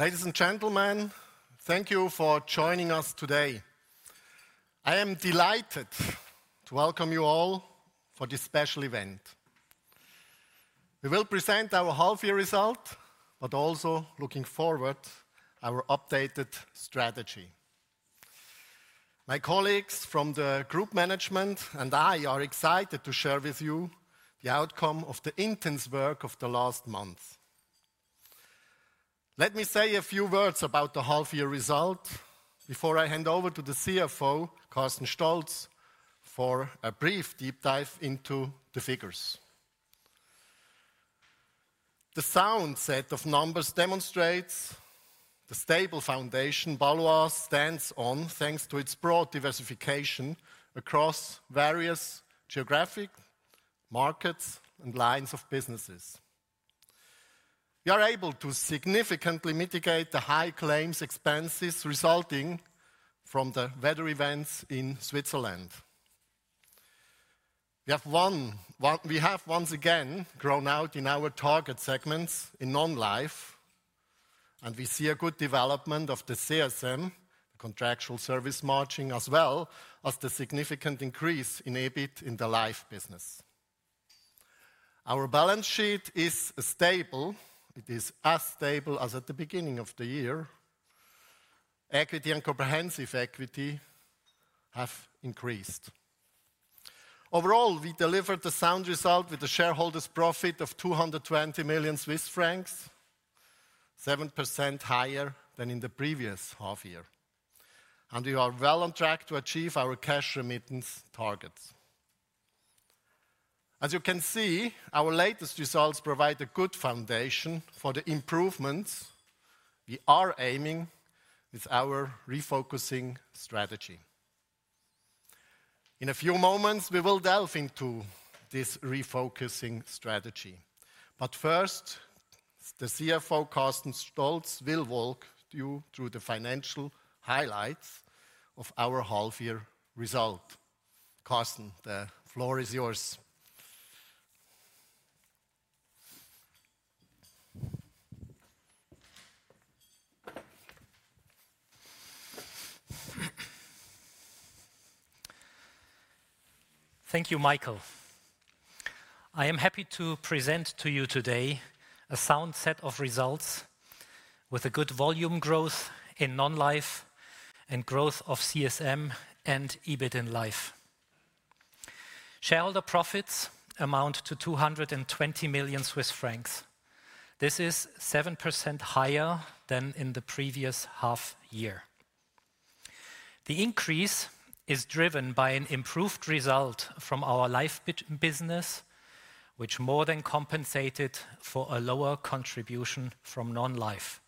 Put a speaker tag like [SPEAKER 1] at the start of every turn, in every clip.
[SPEAKER 1] Ladies and gentlemen, thank you for joining us today. I am delighted to welcome you all for this special event. We will present our half-year result, but also looking forward, our updated strategy. My colleagues from the group management and I are excited to share with you the outcome of the intense work of the last month. Let me say a few words about the half-year result before I hand over to the CFO, Carsten Stolz, for a brief deep dive into the figures. The sound set of numbers demonstrates the stable foundation Baloise stands on, thanks to its broad diversification across various geographic markets and lines of businesses. We are able to significantly mitigate the high claims expenses resulting from the weather events in Switzerland. We have once again grown out in our target segments in non-life, and we see a good development of the CSM, Contractual Service Margin, as well as the significant increase in EBIT in the life business. Our balance sheet is stable. It is as stable as at the beginning of the year. Equity and comprehensive equity have increased. Overall, we delivered a sound result with the shareholders' profit of 220 million Swiss francs, 7% higher than in the previous half year, and we are well on track to achieve our cash remittance targets. As you can see, our latest results provide a good foundation for the improvements we are aiming with our refocusing strategy. In a few moments, we will delve into this refocusing strategy, but first, the CFO, Carsten Stolz, will walk you through the financial highlights of our half-year result. Carsten, thefloor is yours.
[SPEAKER 2] Thank you, Michael. I am happy to present to you today a sound set of results with a good volume growth in non-life and growth of CSM and EBIT in life. Shareholder profits amount to 220 million Swiss francs. This is 7% higher than in the previous half year. The increase is driven by an improved result from our life business, which more than compensated for a lower contribution from non-life.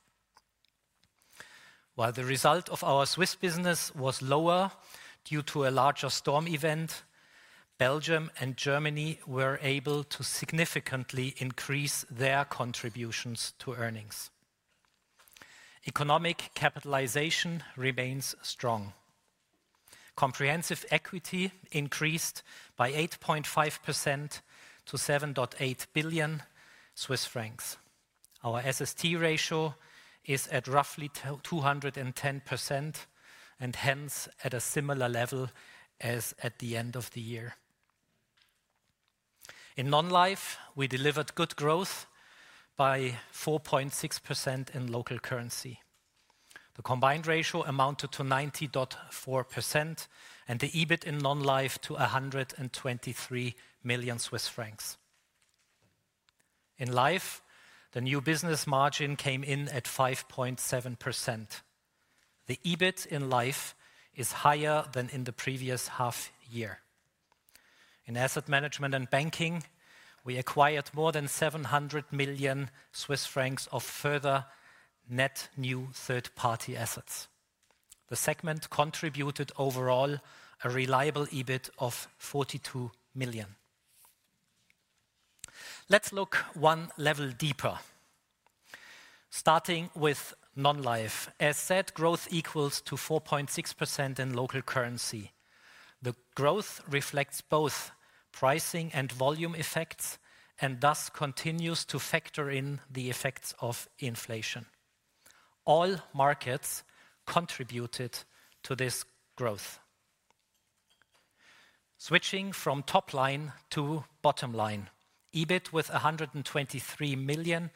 [SPEAKER 2] While the result of our Swiss business was lower due to a larger storm event, Belgium and Germany were able to significantly increase their contributions to earnings. Economic capitalization remains strong. Comprehensive equity increased by 8.5% to 7.8 billion Swiss francs. Our SST ratio is at roughly 210% and hence at a similar level as at the end of the year. In non-life, we delivered good growth by 4.6% in local currency. The combined ratio amounted to 90.4% and the EBIT in non-life to 123 million Swiss francs. In life, the new business margin came in at 5.7%. The EBIT in life is higher than in the previous half year. In asset management and banking, we acquired more than 700 million Swiss francs of further net new third-party assets. The segment contributed overall a reliable EBIT of 42 million. Let's look one level deeper, starting with non-life. As said, growth equals to 4.6% in local currency. The growth reflects both pricing and volume effects and thus continues to factor in the effects of inflation. All markets contributed to this growth. Switching from top line to bottom line, EBIT with 123 million,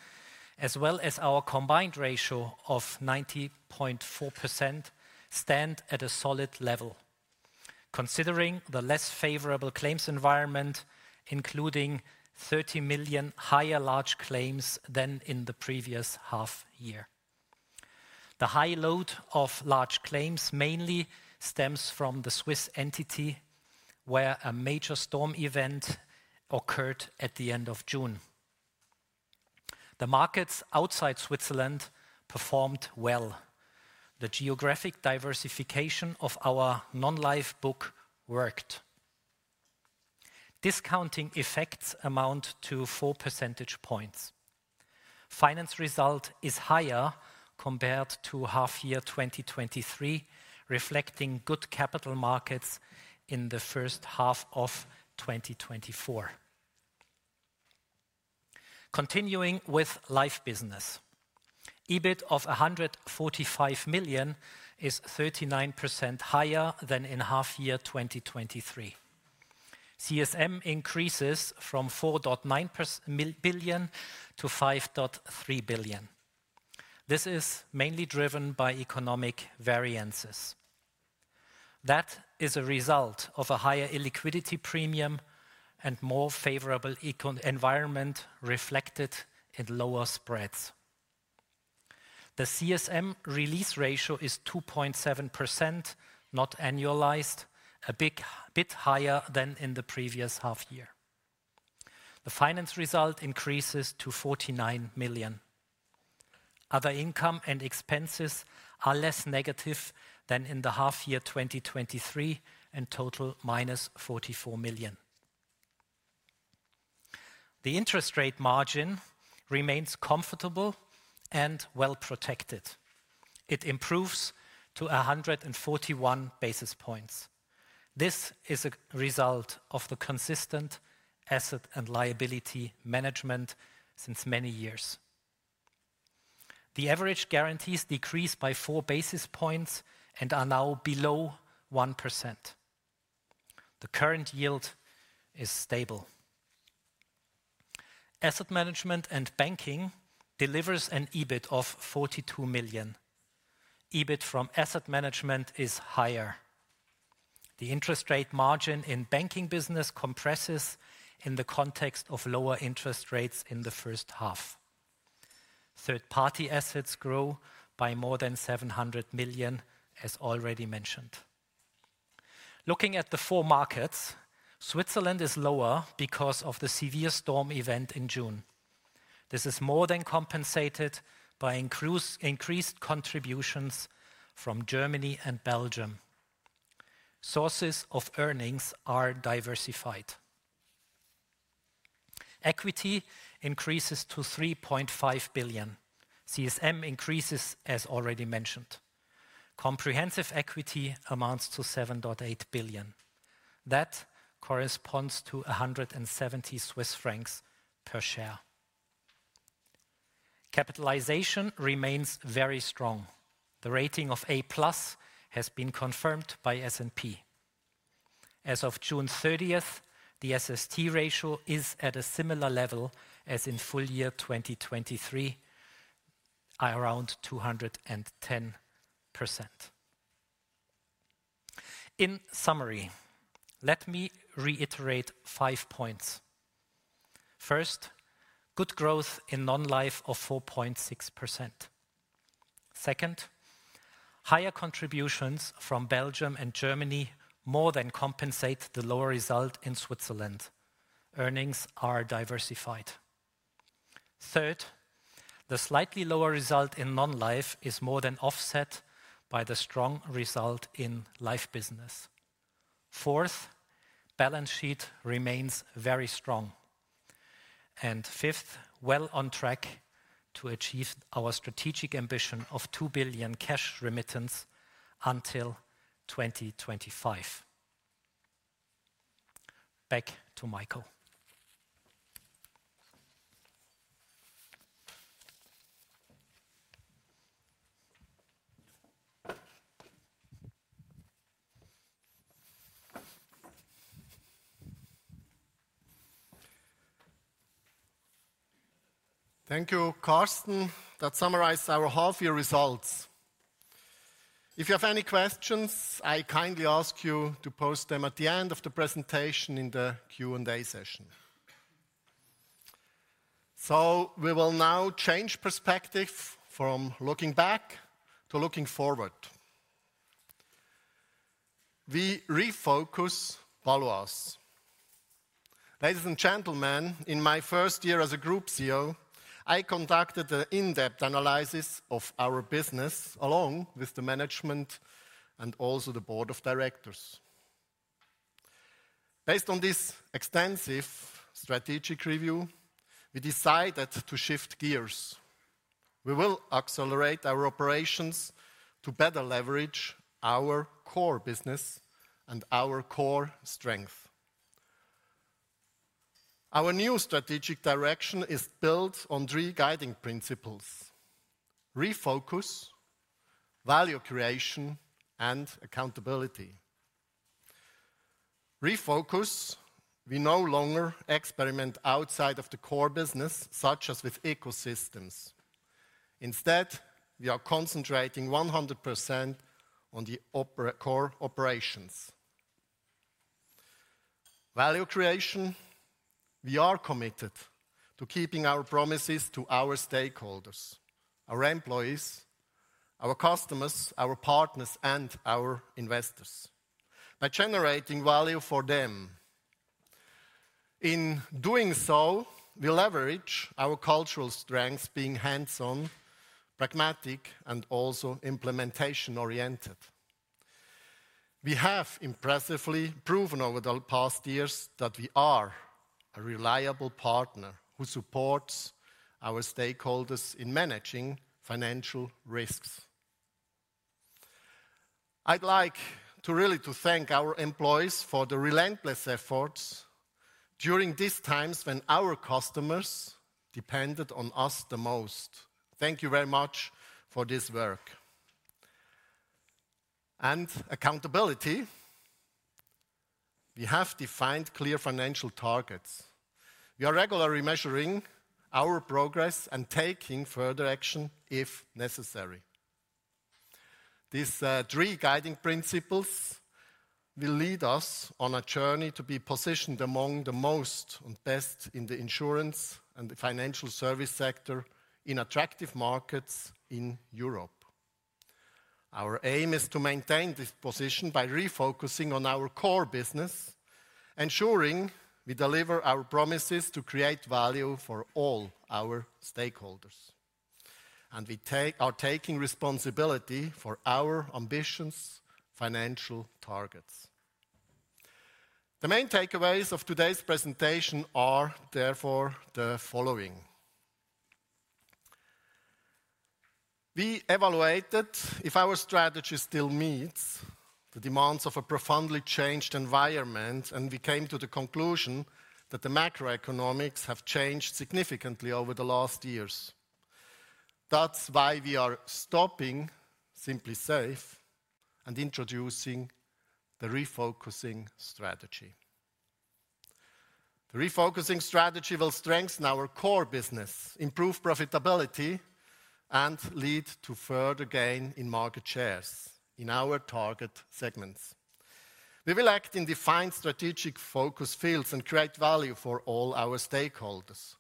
[SPEAKER 2] as well as our combined ratio of 90.4%, stand at a solid level, considering the less favorable claims environment, including 30 million higher large claims than in the previous half year. The high load of large claims mainly stems from the Swiss entity, where a major storm event occurred at the end of June. The markets outside Switzerland performed well. The geographic diversification of our non-life book worked. Discounting effects amount to 4 percentage points. Finance result is higher compared to half year 2023, reflecting good capital markets in the first half of 2024. Continuing with life business. EBIT of 145 million is 39% higher than in half year 2023. CSM increases from 4.9 billion to 5.3 billion. This is mainly driven by economic variances. That is a result of a higher illiquidity premium and more favorable econ environment, reflected in lower spreads. The CSM release ratio is 2.7%, not annualized, a bit higher than in the previous half year. The finance result increases to 49 million. Other income and expenses are less negative than in the half year 2023, and total minus 44 million. The interest rate margin remains comfortable and well-protected. It improves to 141 basis points. This is a result of the consistent asset and liability management since many years. The average guarantees decrease by four basis points and are now below 1%. The current yield is stable. Asset management and banking delivers an EBIT of 42 million. EBIT from asset management is higher. The interest rate margin in banking business compresses in the context of lower interest rates in the first half. Third-party assets grow by more than 700 million, as already mentioned. Looking at the four markets, Switzerland is lower because of the severe storm event in June. This is more than compensated by increased contributions from Germany and Belgium. Sources of earnings are diversified. Equity increases to 3.5 billion. CSM increases, as already mentioned. Comprehensive equity amounts to 7.8 billion. That corresponds to 170 Swiss francs per share. Capitalization remains very strong. The rating of A+ has been confirmed by S&P. As of June thirtieth, the SST ratio is at a similar level as in full year 2023, at around 210%. In summary, let me reiterate five points. First, good growth in non-life of 4.6%. Second, higher contributions from Belgium and Germany more than compensate the lower result in Switzerland. Earnings are diversified. Third, the slightly lower result in non-life is more than offset by the strong result in life business. Fourth, balance sheet remains very strong. And fifth, well on track to achieve our strategic ambition of 2 billion cash remittance until 2025. Back to Michael.
[SPEAKER 1] Thank you, Carsten. That summarized our half-year results. If you have any questions, I kindly ask you to post them at the end of the presentation in the Q&A session. So we will now change perspective from looking back to looking forward. We refocus Baloise. Ladies and gentlemen, in my first year as a Group CEO, I conducted an in-depth analysis of our business, along with the management and also the board of directors. Based on this extensive strategic review, we decided to shift gears. We will accelerate our operations to better leverage our core business and our core strength. Our new strategic direction is built on three guiding principles: refocus, value creation, and accountability. Refocus, we no longer experiment outside of the core business, such as with ecosystems. Instead, we are concentrating 100% on the core operations. Value creation, we are committed to keeping our promises to our stakeholders, our employees, our customers, our partners, and our investors by generating value for them. In doing so, we leverage our cultural strengths, being hands-on, pragmatic, and also implementation-oriented. We have impressively proven over the past years that we are a reliable partner who supports our stakeholders in managing financial risks.... I'd like to really thank our employees for the relentless efforts during these times when our customers depended on us the most. Thank you very much for this work, and accountability, we have defined clear financial targets. We are regularly measuring our progress and taking further action if necessary. These three guiding principles will lead us on a journey to be positioned among the most and best in the insurance and the financial service sector in attractive markets in Europe. Our aim is to maintain this position by refocusing on our core business, ensuring we deliver our promises to create value for all our stakeholders, and we are taking responsibility for our ambitious financial targets. The main takeaways of today's presentation are therefore the following: We evaluated if our strategy still meets the demands of a profoundly changed environment, and we came to the conclusion that the macroeconomics have changed significantly over the last years. That's why we are stopping Simply Safe and introducing the Refocusing strategy. The Refocusing strategy will strengthen our core business, improve profitability, and lead to further gain in market shares in our target segments. We will act in defined strategic focus fields and create value for all our stakeholders.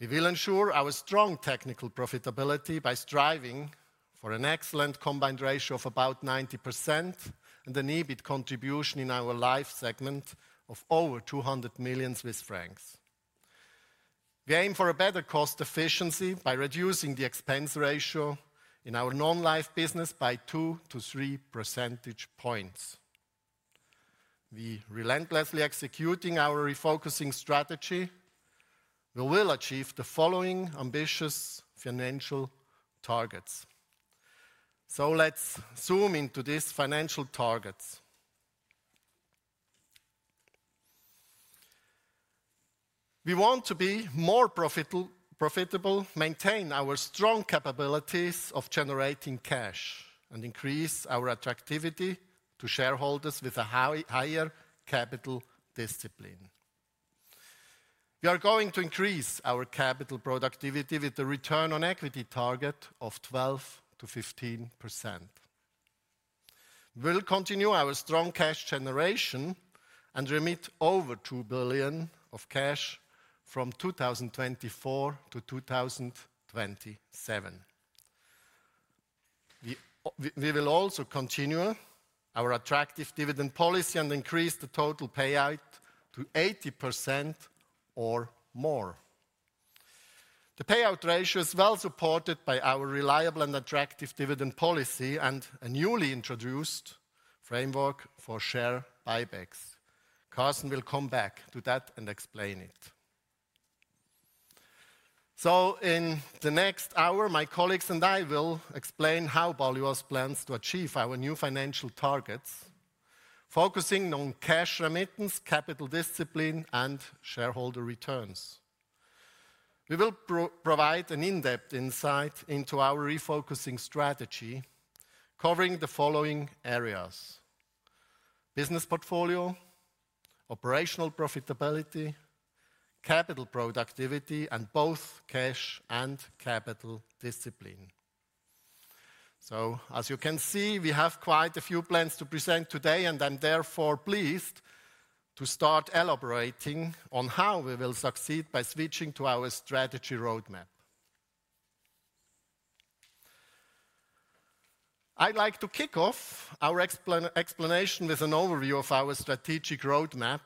[SPEAKER 1] We will ensure our strong technical profitability by striving for an excellent combined ratio of about 90% and an EBIT contribution in our life segment of over 200 million francs. We aim for a better cost efficiency by reducing the expense ratio in our non-life business by 2-3 percentage points. We're relentlessly executing our Refocusing strategy, we will achieve the following ambitious financial targets. So let's zoom into these financial targets. We want to be more profitable, maintain our strong capabilities of generating cash, and increase our attractivity to shareholders with a higher capital discipline. We are going to increase our capital productivity with a return on equity target of 12%-15%. We'll continue our strong cash generation and remit over 2 billion of cash from 2024 to 2027. We will also continue our attractive dividend policy and increase the total payout to 80% or more. The payout ratio is well supported by our reliable and attractive dividend policy and a newly introduced framework for share buybacks. Carsten will come back to that and explain it. In the next hour, my colleagues and I will explain how Baloise plans to achieve our new financial targets, focusing on cash remittance, capital discipline, and shareholder returns. We will provide an in-depth insight into our Refocusing strategy, covering the following areas: business portfolio, operational profitability, capital productivity, and both cash and capital discipline. As you can see, we have quite a few plans to present today, and I'm therefore pleased to start elaborating on how we will succeed by switching to our strategy roadmap. I'd like to kick off our explanation with an overview of our strategic roadmap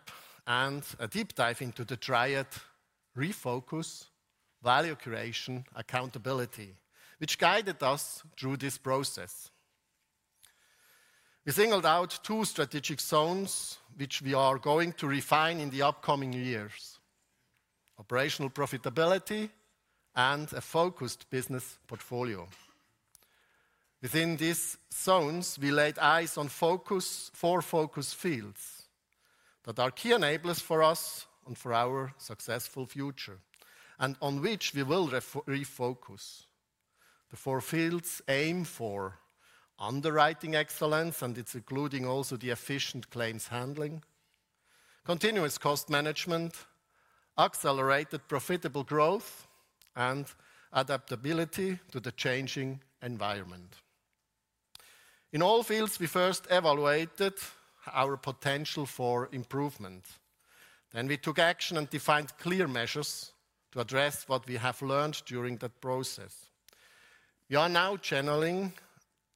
[SPEAKER 1] and a deep dive into the triad: Refocus, value creation, accountability, which guided us through this process. We singled out two strategic zones, which we are going to refine in the upcoming years: operational profitability and a focused business portfolio. Within these zones, we laid eyes on four focus fields that are key enablers for us and for our successful future, and on which we will refocus. The four fields aim for underwriting excellence, and it's including also the efficient claims handling, continuous cost management, accelerated profitable growth, and adaptability to the changing environment. In all fields, we first evaluated our potential for improvement. Then we took action and defined clear measures to address what we have learned during that process. We are now channeling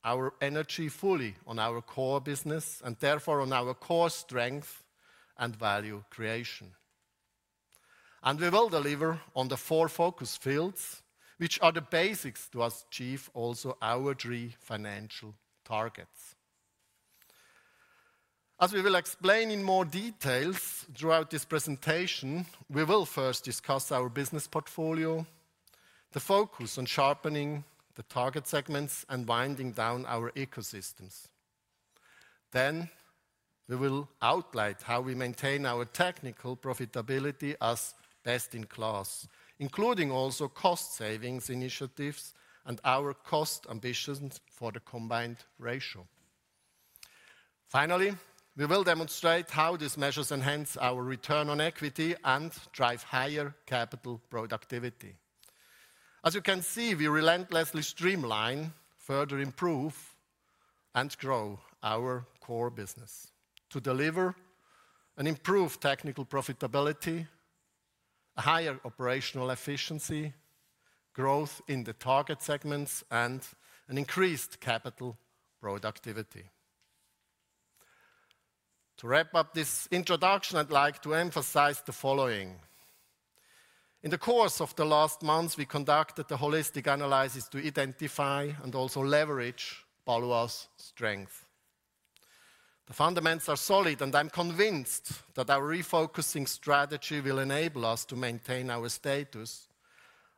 [SPEAKER 1] our energy fully on our core business and therefore on our core strength and value creation, and we will deliver on the four focus fields, which are the basics to achieve also our three financial targets. As we will explain in more details throughout this presentation, we will first discuss our business portfolio, the focus on sharpening the target segments, and winding down our ecosystems. Then, we will outline how we maintain our technical profitability as best in class, including also cost savings initiatives and our cost ambitions for the combined ratio. Finally, we will demonstrate how these measures enhance our return on equity and drive higher capital productivity. As you can see, we relentlessly streamline, further improve, and grow our core business to deliver an improved technical profitability, a higher operational efficiency, growth in the target segments, and an increased capital productivity. To wrap up this introduction, I'd like to emphasize the following: In the course of the last months, we conducted a holistic analysis to identify and also leverage Baloise's strength. The fundamentals are solid, and I'm convinced that our refocusing strategy will enable us to maintain our status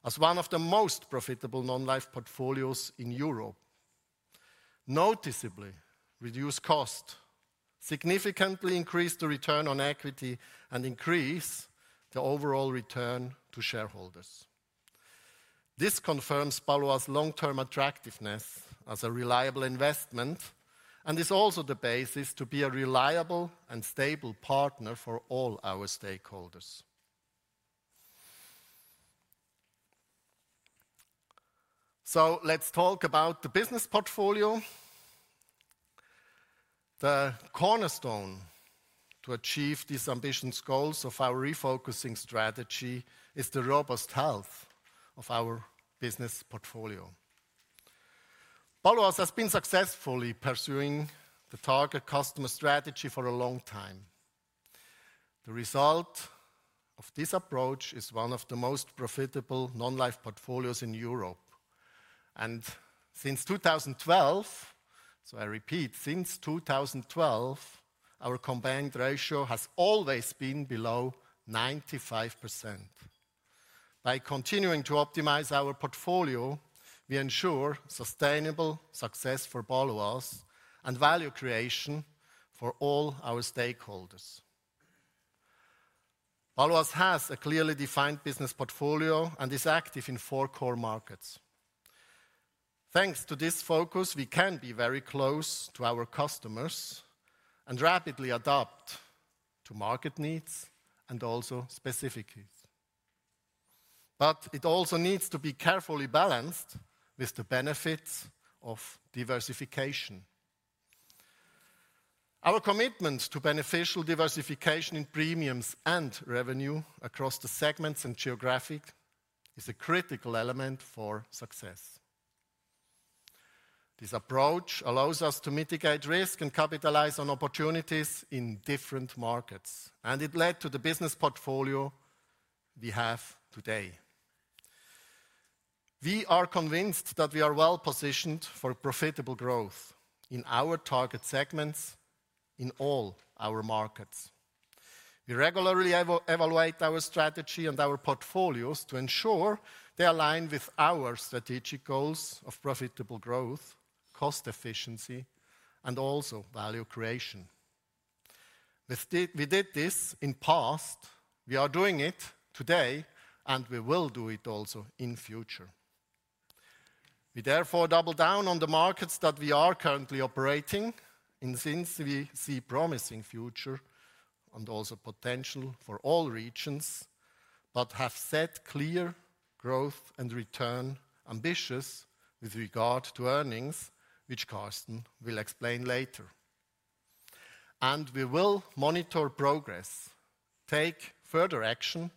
[SPEAKER 1] as one of the most profitable non-life portfolios in Europe, noticeably reduce cost, significantly increase the return on equity, and increase the overall return to shareholders. This confirms Baloise's long-term attractiveness as a reliable investment, and is also the basis to be a reliable and stable partner for all our stakeholders. So let's talk about the business portfolio. The cornerstone to achieve these ambitious goals of our refocusing strategy is the robust health of our business portfolio. Baloise has been successfully pursuing the target customer strategy for a long time. The result of this approach is one of the most profitable non-life portfolios in Europe. And since two thousand and twelve, so I repeat, since two thousand and twelve, our combined ratio has always been below 95%. By continuing to optimize our portfolio, we ensure sustainable success for Baloise and value creation for all our stakeholders. Baloise has a clearly defined business portfolio and is active in four core markets. Thanks to this focus, we can be very close to our customers and rapidly adapt to market needs and also specific needs. But it also needs to be carefully balanced with the benefits of diversification. Our commitment to beneficial diversification in premiums and revenue across the segments and geographic is a critical element for success. This approach allows us to mitigate risk and capitalize on opportunities in different markets, and it led to the business portfolio we have today. We are convinced that we are well positioned for profitable growth in our target segments in all our markets. We regularly evaluate our strategy and our portfolios to ensure they align with our strategic goals of profitable growth, cost efficiency, and also value creation. We did, we did this in past, we are doing it today, and we will do it also in future. We therefore double down on the markets that we are currently operating in, since we see promising future and also potential for all regions, but have set clear growth and return ambitious with regard to earnings, which Carsten will explain later, and we will monitor progress, take further action,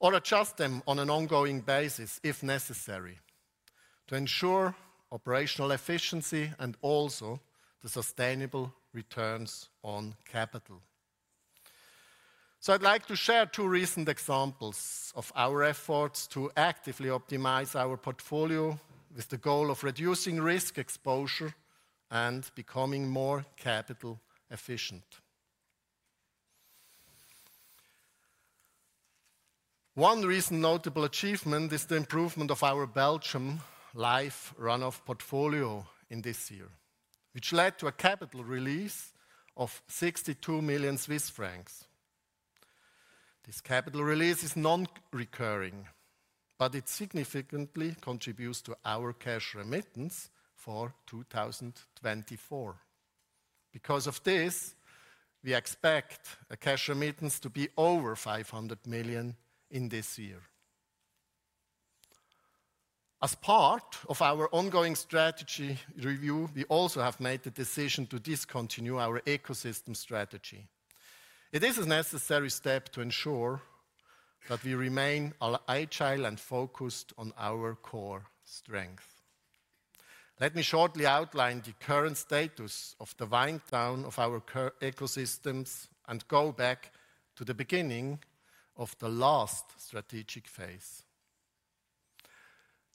[SPEAKER 1] or adjust them on an ongoing basis, if necessary, to ensure operational efficiency and also the sustainable returns on capital. I'd like to share two recent examples of our efforts to actively optimize our portfolio with the goal of reducing risk exposure and becoming more capital efficient. One recent notable achievement is the improvement of our Belgium life run-off portfolio in this year, which led to a capital release of 62 million Swiss francs. This capital release is non-recurring, but it significantly contributes to our cash remittance for 2024. Because of this, we expect a cash remittance to be over 500 million in this year. As part of our ongoing strategy review, we also have made the decision to discontinue our ecosystem strategy. It is a necessary step to ensure that we remain a agile and focused on our core strength. Let me shortly outline the current status of the wind down of our cur... Ecosystems and go back to the beginning of the last strategic phase.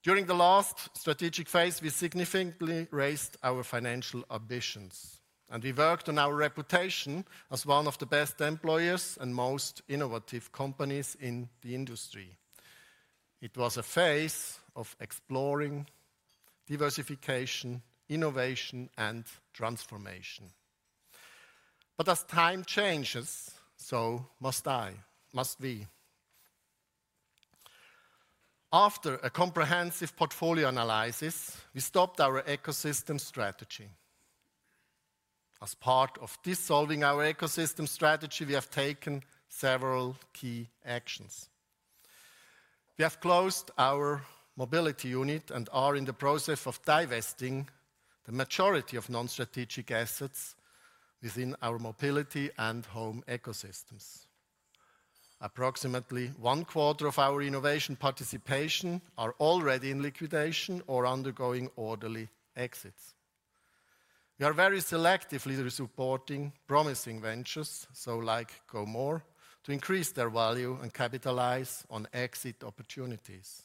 [SPEAKER 1] During the last strategic phase, we significantly raised our financial ambitions, and we worked on our reputation as one of the best employers and most innovative companies in the industry. It was a phase of exploring diversification, innovation, and transformation. But as time changes, so must I, must we. After a comprehensive portfolio analysis, we stopped our ecosystem strategy. As part of dissolving our ecosystem strategy, we have taken several key actions. We have closed our mobility unit and are in the process of divesting the majority of non-strategic assets within our mobility and home ecosystems. Approximately one quarter of our innovation participation are already in liquidation or undergoing orderly exits. We are very selectively supporting promising ventures, so like GoMore, to increase their value and capitalize on exit opportunities.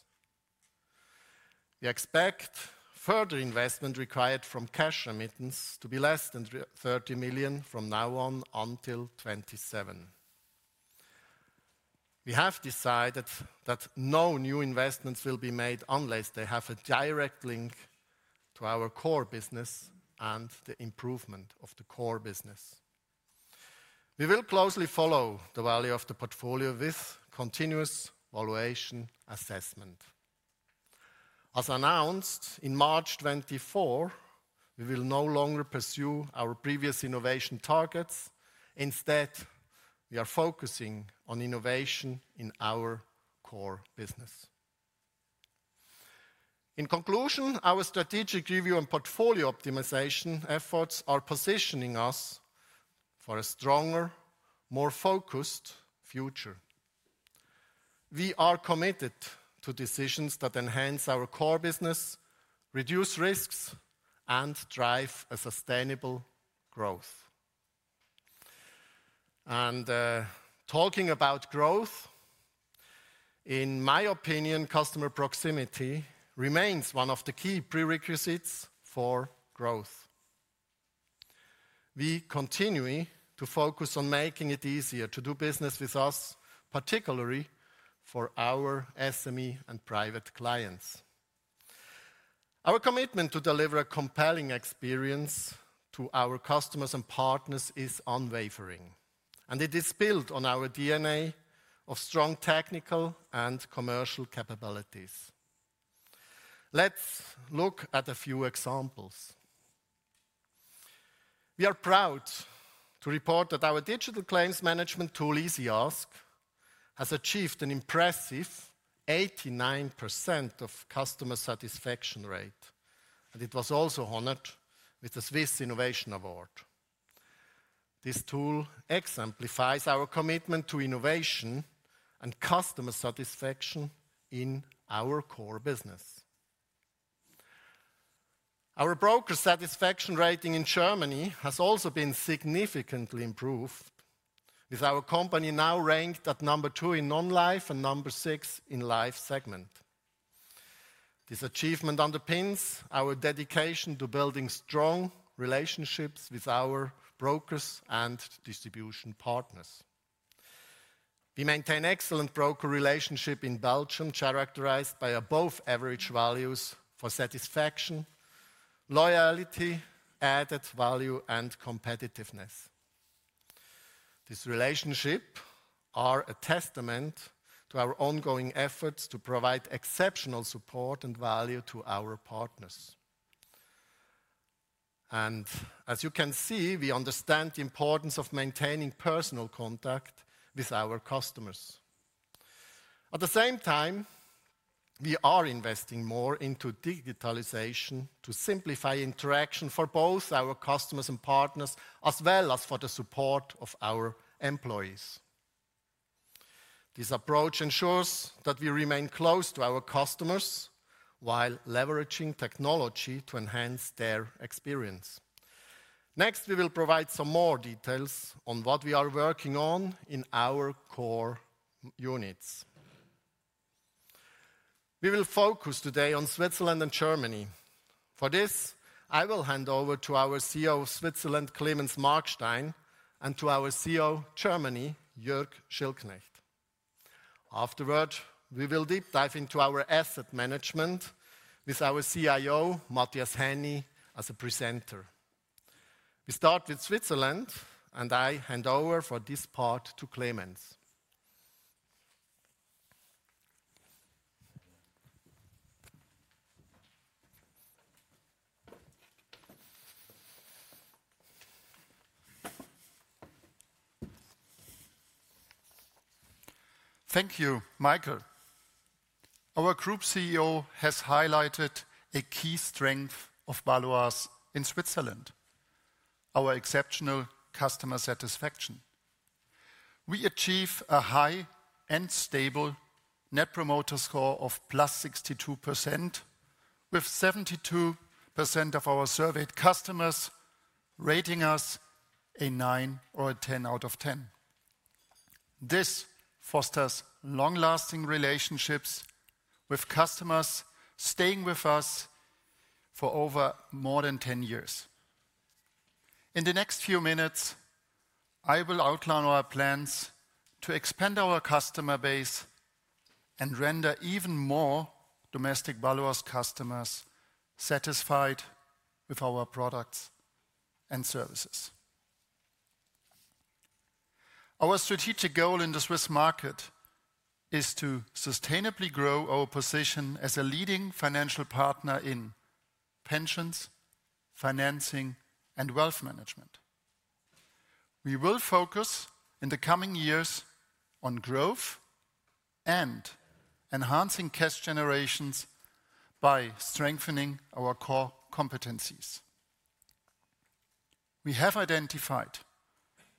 [SPEAKER 1] We expect further investment required from cash remittance to be less than 30 million from now on until 2027. We have decided that no new investments will be made unless they have a direct link to our core business and the improvement of the core business. We will closely follow the value of the portfolio with continuous valuation assessment. As announced, in March 2024, we will no longer pursue our previous innovation targets. Instead, we are focusing on innovation in our core business. In conclusion, our strategic review and portfolio optimization efforts are positioning us for a stronger, more focused future. We are committed to decisions that enhance our core business, reduce risks, and drive a sustainable growth. And, talking about growth, in my opinion, customer proximity remains one of the key prerequisites for growth. We continue to focus on making it easier to do business with us, particularly for our SME and private clients. Our commitment to deliver a compelling experience to our customers and partners is unwavering, and it is built on our DNA of strong technical and commercial capabilities. Let's look at a few examples. We are proud to report that our digital claims management tool, EasyAsk, has achieved an impressive 89% of customer satisfaction rate, and it was also honored with the Swiss Innovation Award. This tool exemplifies our commitment to innovation and customer satisfaction in our core business. Our broker satisfaction rating in Germany has also been significantly improved, with our company now ranked at number two in non-life and number six in life segment. This achievement underpins our dedication to building strong relationships with our brokers and distribution partners. We maintain excellent broker relationships in Belgium, characterized by above average values for satisfaction, loyalty, added value, and competitiveness. These relationships are a testament to our ongoing efforts to provide exceptional support and value to our partners, and as you can see, we understand the importance of maintaining personal contact with our customers. At the same time, we are investing more into digitalization to simplify interaction for both our customers and partners, as well as for the support of our employees. This approach ensures that we remain close to our customers while leveraging technology to enhance their experience. Next, we will provide some more details on what we are working on in our core markets. We will focus today on Switzerland and Germany. For this, I will hand over to our CEO Switzerland, Clemens Markstein, and to our CEO Germany, Jürg Schiltknecht Afterward, we will deep dive into our asset management with our CIO, Matthias Henny, as a presenter. We start with Switzerland, and I hand over for this part to Clemens.
[SPEAKER 3] Thank you, Michael. Our group CEO has highlighted a key strength of Baloise in Switzerland: our exceptional customer satisfaction. We achieve a high and stable Net Promoter Score of plus 62%, with 72% of our surveyed customers rating us a nine or a 10 out of 10. This fosters long-lasting relationships with customers staying with us for over more than 10 years. In the next few minutes, I will outline our plans to expand our customer base and render even more domestic Baloise customers satisfied with our products and services. Our strategic goal in the Swiss market is to sustainably grow our position as a leading financial partner in pensions, financing, and wealth management. We will focus in the coming years on growth and enhancing cash generations by strengthening our core competencies. We have identified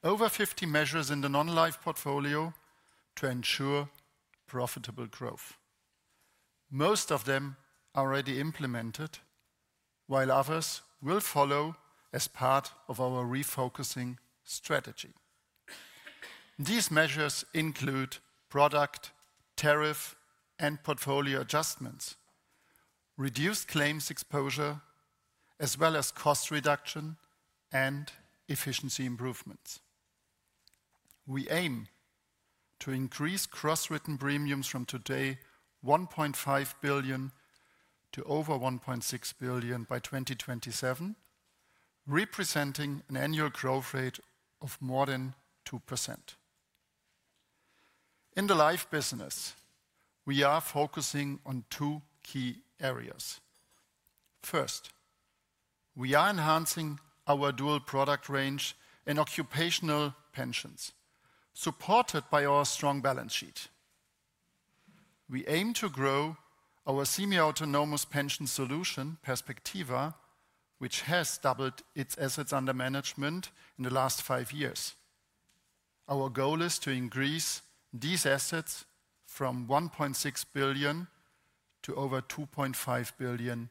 [SPEAKER 3] over 50 measures in the non-life portfolio to ensure profitable growth. Most of them are already implemented, while others will follow as part of our refocusing strategy. These measures include product, tariff, and portfolio adjustments, reduced claims exposure, as well as cost reduction and efficiency improvements. We aim to increase cross-written premiums from today 1.5 billion CHF to over 1.6 billion CHF by 2027, representing an annual growth rate of more than 2%. In the life business, we are focusing on two key areas. First, we are enhancing our dual product range in occupational pensions, supported by our strong balance sheet. We aim to grow our semi-autonomous pension solution, Perspectiva, which has doubled its assets under management in the last five years. Our goal is to increase these assets from 1.6 billion CHF to over 2.5 billion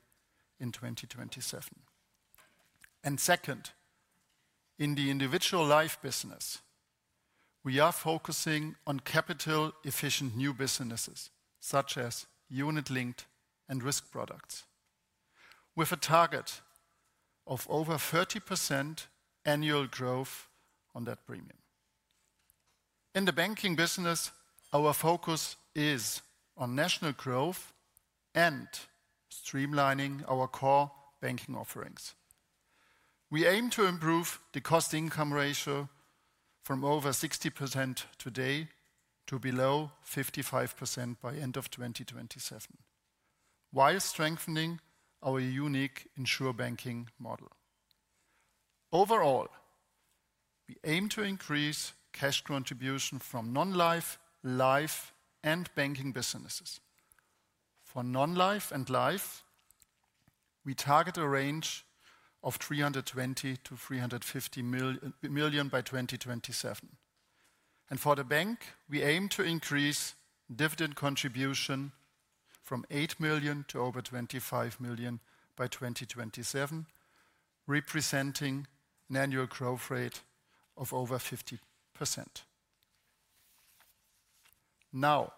[SPEAKER 3] CHF in 2027. And second, in the individual life business, we are focusing on capital-efficient new businesses, such as unit-linked and risk products, with a target of over 30% annual growth on that premium. In the banking business, our focus is on national growth and streamlining our core banking offerings. We aim to improve the cost-income ratio from over 60% today to below 55% by end of 2027, while strengthening our unique InsurBanking model. Overall, we aim to increase cash contribution from non-life, life, and banking businesses. For non-life and life, we target a range of 320 million to 350 million by 2027. And for the bank, we aim to increase dividend contribution from 8 million to over 25 million by 2027, representing an annual growth rate of over 50%. Now,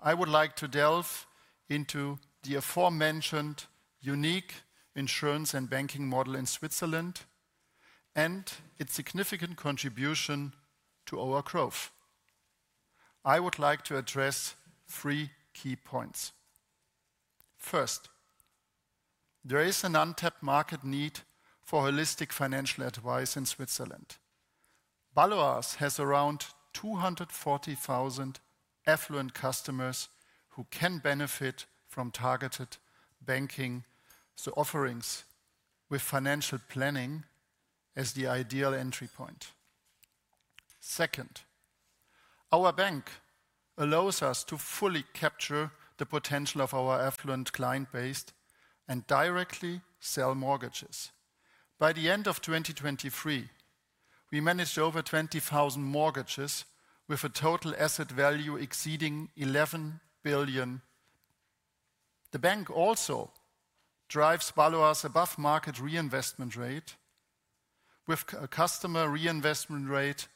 [SPEAKER 3] I would like to delve into the aforementioned unique insurance and banking model in Switzerland and its significant contribution to our growth. I would like to address three key points. First, there is an untapped market need for holistic financial advice in Switzerland. Baloise has around 240,000 affluent customers who can benefit from targeted banking, so offerings with financial planning as the ideal entry point. Second, our bank allows us to fully capture the potential of our affluent client base and directly sell mortgages. By the end of 2023, we managed over 20,000 mortgages with a total asset value exceeding 11 billion. The bank also drives Baloise above market reinvestment rate, with a customer reinvestment rate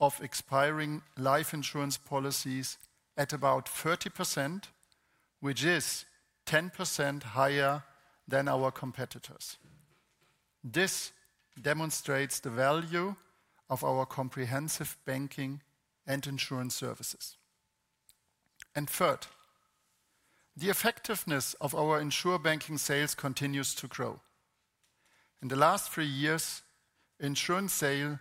[SPEAKER 3] of expiring life insurance policies at about 30%, which is 10% higher than our competitors. This demonstrates the value of our comprehensive banking and insurance services. Third, the effectiveness of our InsurBanking sales continues to grow. In the last three years, insurance sales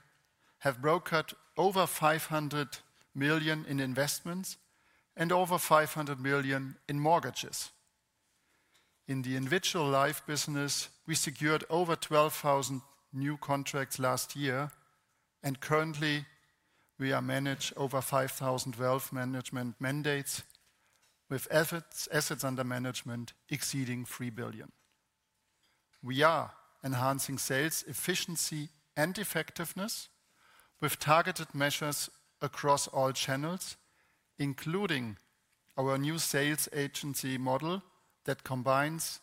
[SPEAKER 3] have brokered over 500 million in investments and over 500 million in mortgages. In the individual life business, we secured over 12,000 new contracts last year, and currently we are managing over 5,000 wealth management mandates with assets under management exceeding 3 billion. We are enhancing sales efficiency and effectiveness with targeted measures across all channels, including our new sales agency model that combines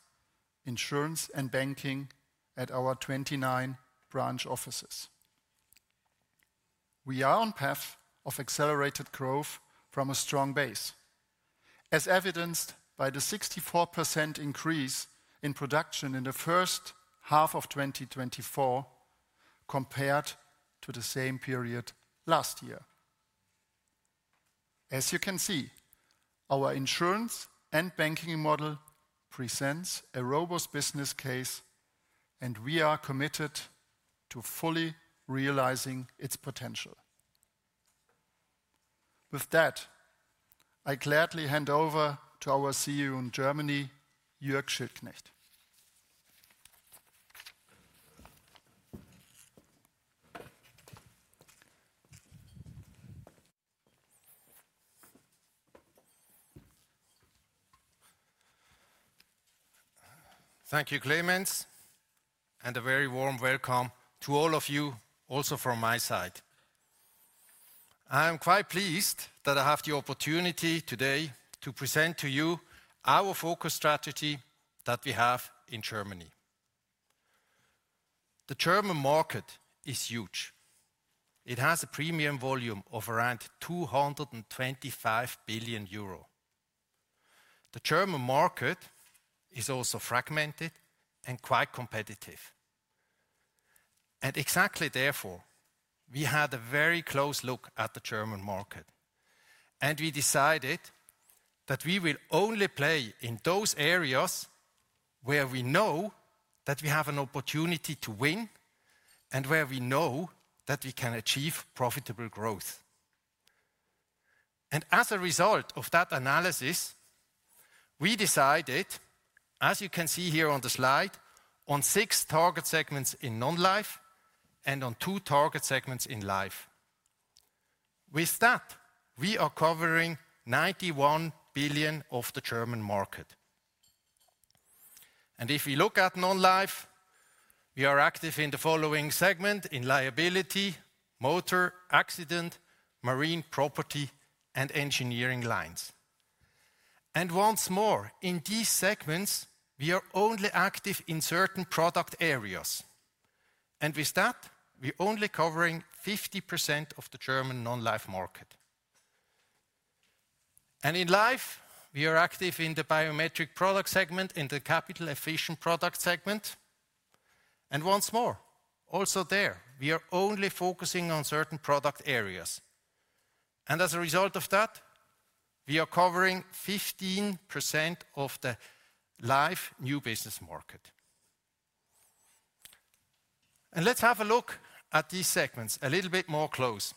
[SPEAKER 3] insurance and banking at our 29 branch offices. We are on a path of accelerated growth from a strong base, as evidenced by the 64% increase in production in the first half of 2024 compared to the same period last year. As you can see, our insurance and banking model presents a robust business case, and we are committed to fully realizing its potential. With that, I gladly hand over to our CEO in Germany, Jürg Schiltknecht.
[SPEAKER 4] Thank you, Clemens, and a very warm welcome to all of you, also from my side. I am quite pleased that I have the opportunity today to present to you our focus strategy that we have in Germany. The German market is huge. It has a premium volume of around 225 billion euro. The German market is also fragmented and quite competitive, and exactly therefore, we had a very close look at the German market, and we decided that we will only play in those areas where we know that we have an opportunity to win and where we know that we can achieve profitable growth, and as a result of that analysis, we decided, as you can see here on the slide, on six target segments in non-life and on two target segments in life. With that, we are covering 91 billion of the German market. If we look at non-life, we are active in the following segment: in liability, motor, accident, marine property, and engineering lines. Once more, in these segments, we are only active in certain product areas, and with that, we're only covering 50% of the German non-life market. In life, we are active in the biometric product segment, in the capital-efficient product segment, and once more, also there, we are only focusing on certain product areas. As a result of that, we are covering 15% of the life new business market. Let's have a look at these segments a little bit more close.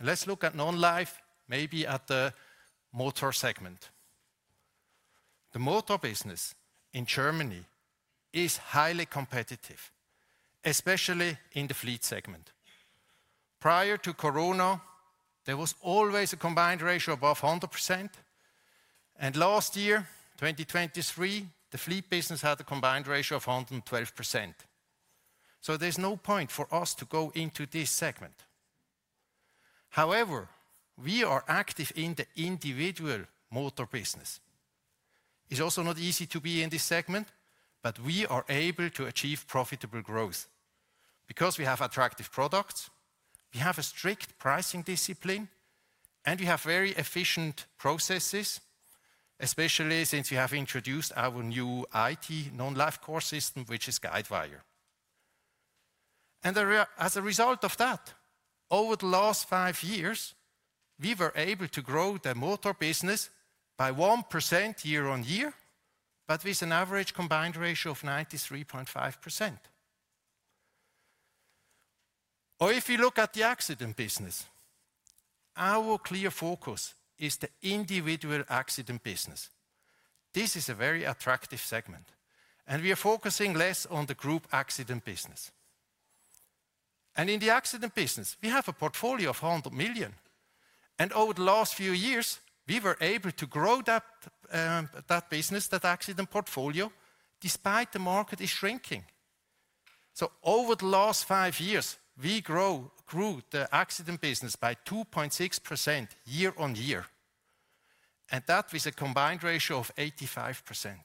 [SPEAKER 4] Let's look at non-life, maybe at the motor segment. The motor business in Germany is highly competitive, especially in the fleet segment. Prior to Corona, there was always a combined ratio above 100%, and last year, 2023, the fleet business had a combined ratio of 112%. So there's no point for us to go into this segment. However, we are active in the individual motor business. It's also not easy to be in this segment, but we are able to achieve profitable growth because we have attractive products, we have a strict pricing discipline, and we have very efficient processes, especially since we have introduced our new IT non-life core system, which is Guidewire. And as a result of that, over the last five years, we were able to grow the motor business by 1% year on year, but with an average combined ratio of 93.5%. Or if you look at the accident business, our clear focus is the individual accident business. This is a very attractive segment, and we are focusing less on the group accident business. And in the accident business, we have a portfolio of 100 million, and over the last few years, we were able to grow that business, that accident portfolio, despite the market is shrinking. So over the last five years, we grew the accident business by 2.6% year on year, and that with a combined ratio of 85%.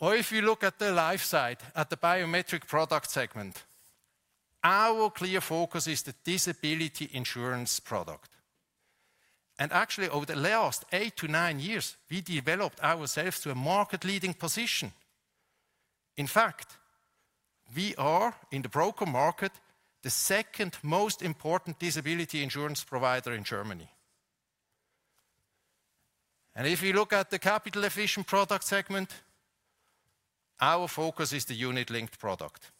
[SPEAKER 4] Or if you look at the life side, at the biometric product segment, our clear focus is the disability insurance product. And actually, over the last eight to nine years, we developed ourselves to a market-leading position. In fact, we are, in the broker market, the second most important disability insurance provider in Germany. And if you look at the capital-efficient product segment, our focus is the unit-linked product.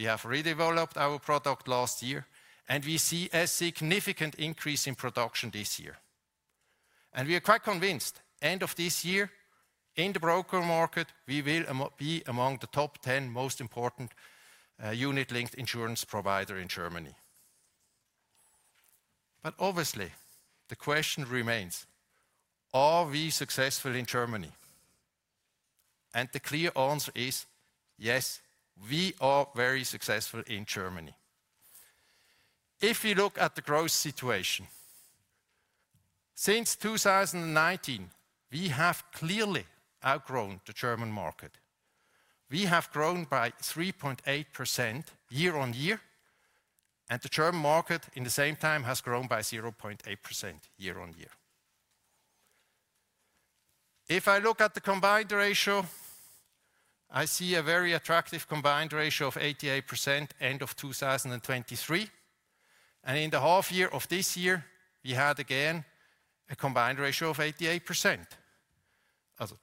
[SPEAKER 4] We have redeveloped our product last year, and we see a significant increase in production this year. And we are quite convinced, end of this year, in the broker market, we will be among the top 10 most important unit-linked insurance provider in Germany. But obviously, the question remains: Are we successful in Germany? And the clear answer is yes, we are very successful in Germany. If you look at the growth situation, since two thousand and nineteen, we have clearly outgrown the German market. We have grown by 3.8% year on year, and the German market, in the same time, has grown by 0.8% year on year. If I look at the combined ratio, I see a very attractive combined ratio of 88% end of 2023, and in the half year of this year, we had again a combined ratio of 88%.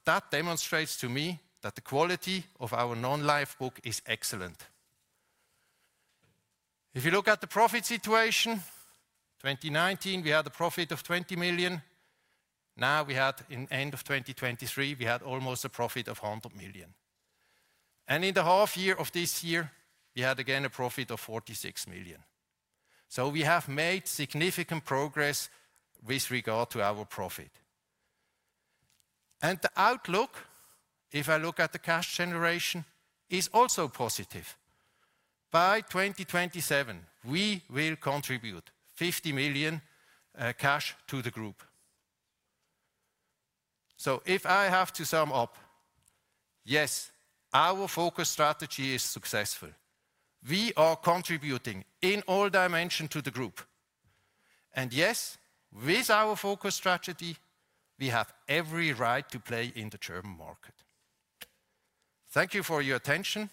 [SPEAKER 4] That demonstrates to me that the quality of our non-life book is excellent. If you look at the profit situation, 2019, we had a profit of 20 million. Now we had, in end of 2023, we had almost a profit of 100 million. In the half year of this year, we had again a profit of 46 million. We have made significant progress with regard to our profit. The outlook, if I look at the cash generation, is also positive. By 2027, we will contribute 50 million cash to the group. So if I have to sum up, yes, our focus strategy is successful. We are contributing in all dimension to the group. And yes, with our focus strategy, we have every right to play in the German market. Thank you for your attention,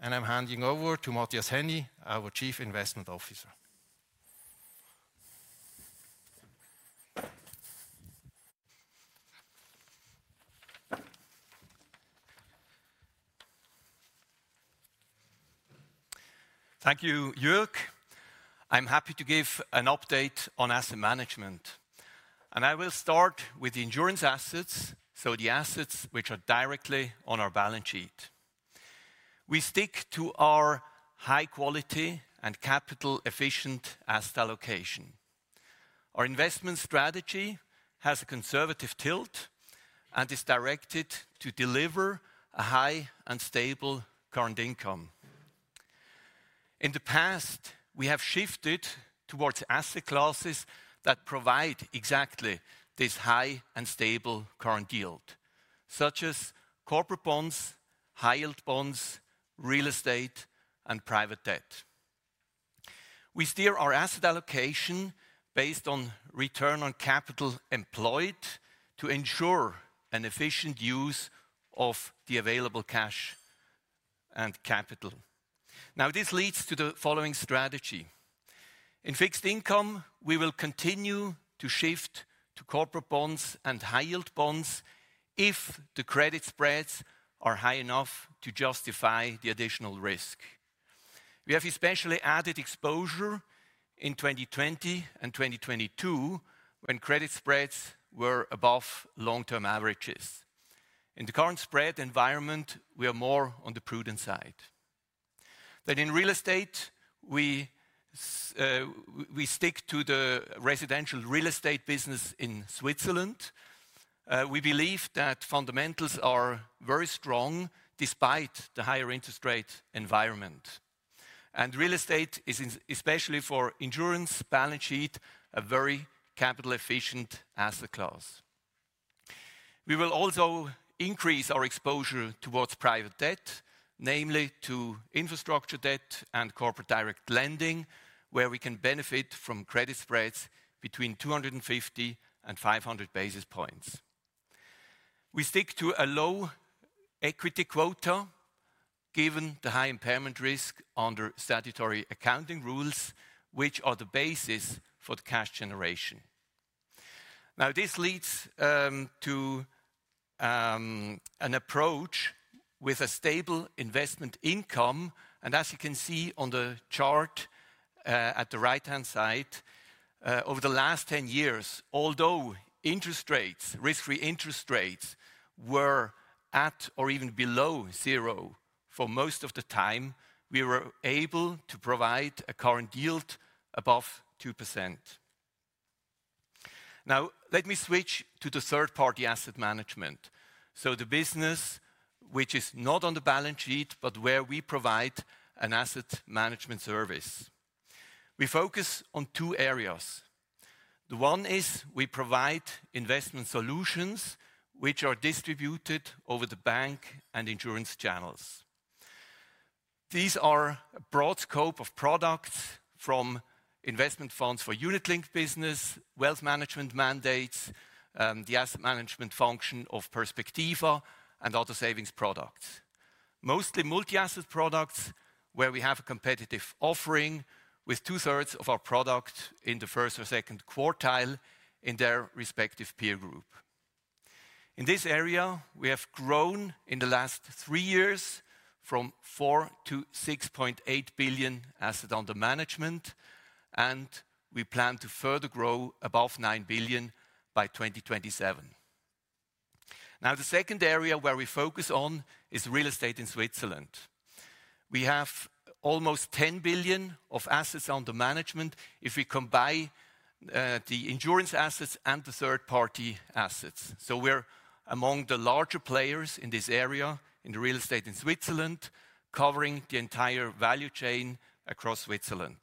[SPEAKER 4] and I'm handing over to Matthias Henny, our Chief Investment Officer.
[SPEAKER 5] Thank you, Jörg. I'm happy to give an update on asset management, and I will start with the insurance assets, so the assets which are directly on our balance sheet. We stick to our high quality and capital efficient asset allocation. Our investment strategy has a conservative tilt and is directed to deliver a high and stable current income. In the past, we have shifted towards asset classes that provide exactly this high and stable current yield, such as corporate bonds, high-yield bonds, real estate, and private debt. We steer our asset allocation based on return on capital employed to ensure an efficient use of the available cash and capital. Now, this leads to the following strategy. In fixed income, we will continue to shift to corporate bonds and high-yield bonds if the credit spreads are high enough to justify the additional risk. We have especially added exposure in 2020 and 2022 when credit spreads were above long-term averages. In the current spread environment, we are more on the prudent side. Then in real estate, we stick to the residential real estate business in Switzerland. We believe that fundamentals are very strong despite the higher interest rate environment. And real estate is especially for insurance balance sheet, a very capital efficient asset class. We will also increase our exposure towards private debt, namely to infrastructure debt and corporate direct lending, where we can benefit from credit spreads between 250 and 500 basis points. We stick to a low equity quota, given the high impairment risk under statutory accounting rules, which are the basis for the cash generation. Now, this leads to an approach with a stable investment income. As you can see on the chart, at the right-hand side, over the last 10 years, although interest rates, risk-free interest rates, were at or even below zero for most of the time, we were able to provide a current yield above 2%. Now, let me switch to the third-party asset management. The business, which is not on the balance sheet, but where we provide an asset management service. We focus on two areas. The one is we provide investment solutions which are distributed over the bank and insurance channels. These are a broad scope of products from investment funds for unit-linked business, wealth management mandates, the asset management function of Perspectiva, and other savings products. Mostly multi-asset products, where we have a competitive offering with two-thirds of our product in the first or second quartile in their respective peer group. In this area, we have grown in the last three years from 4 billion to 6.8 billion asset under management, and we plan to further grow above 9 billion by 2027. Now, the second area where we focus on is real estate in Switzerland. We have almost 10 billion of assets under management if we combine the insurance assets and the third-party assets. So we're among the larger players in this area, in real estate in Switzerland, covering the entire value chain across Switzerland.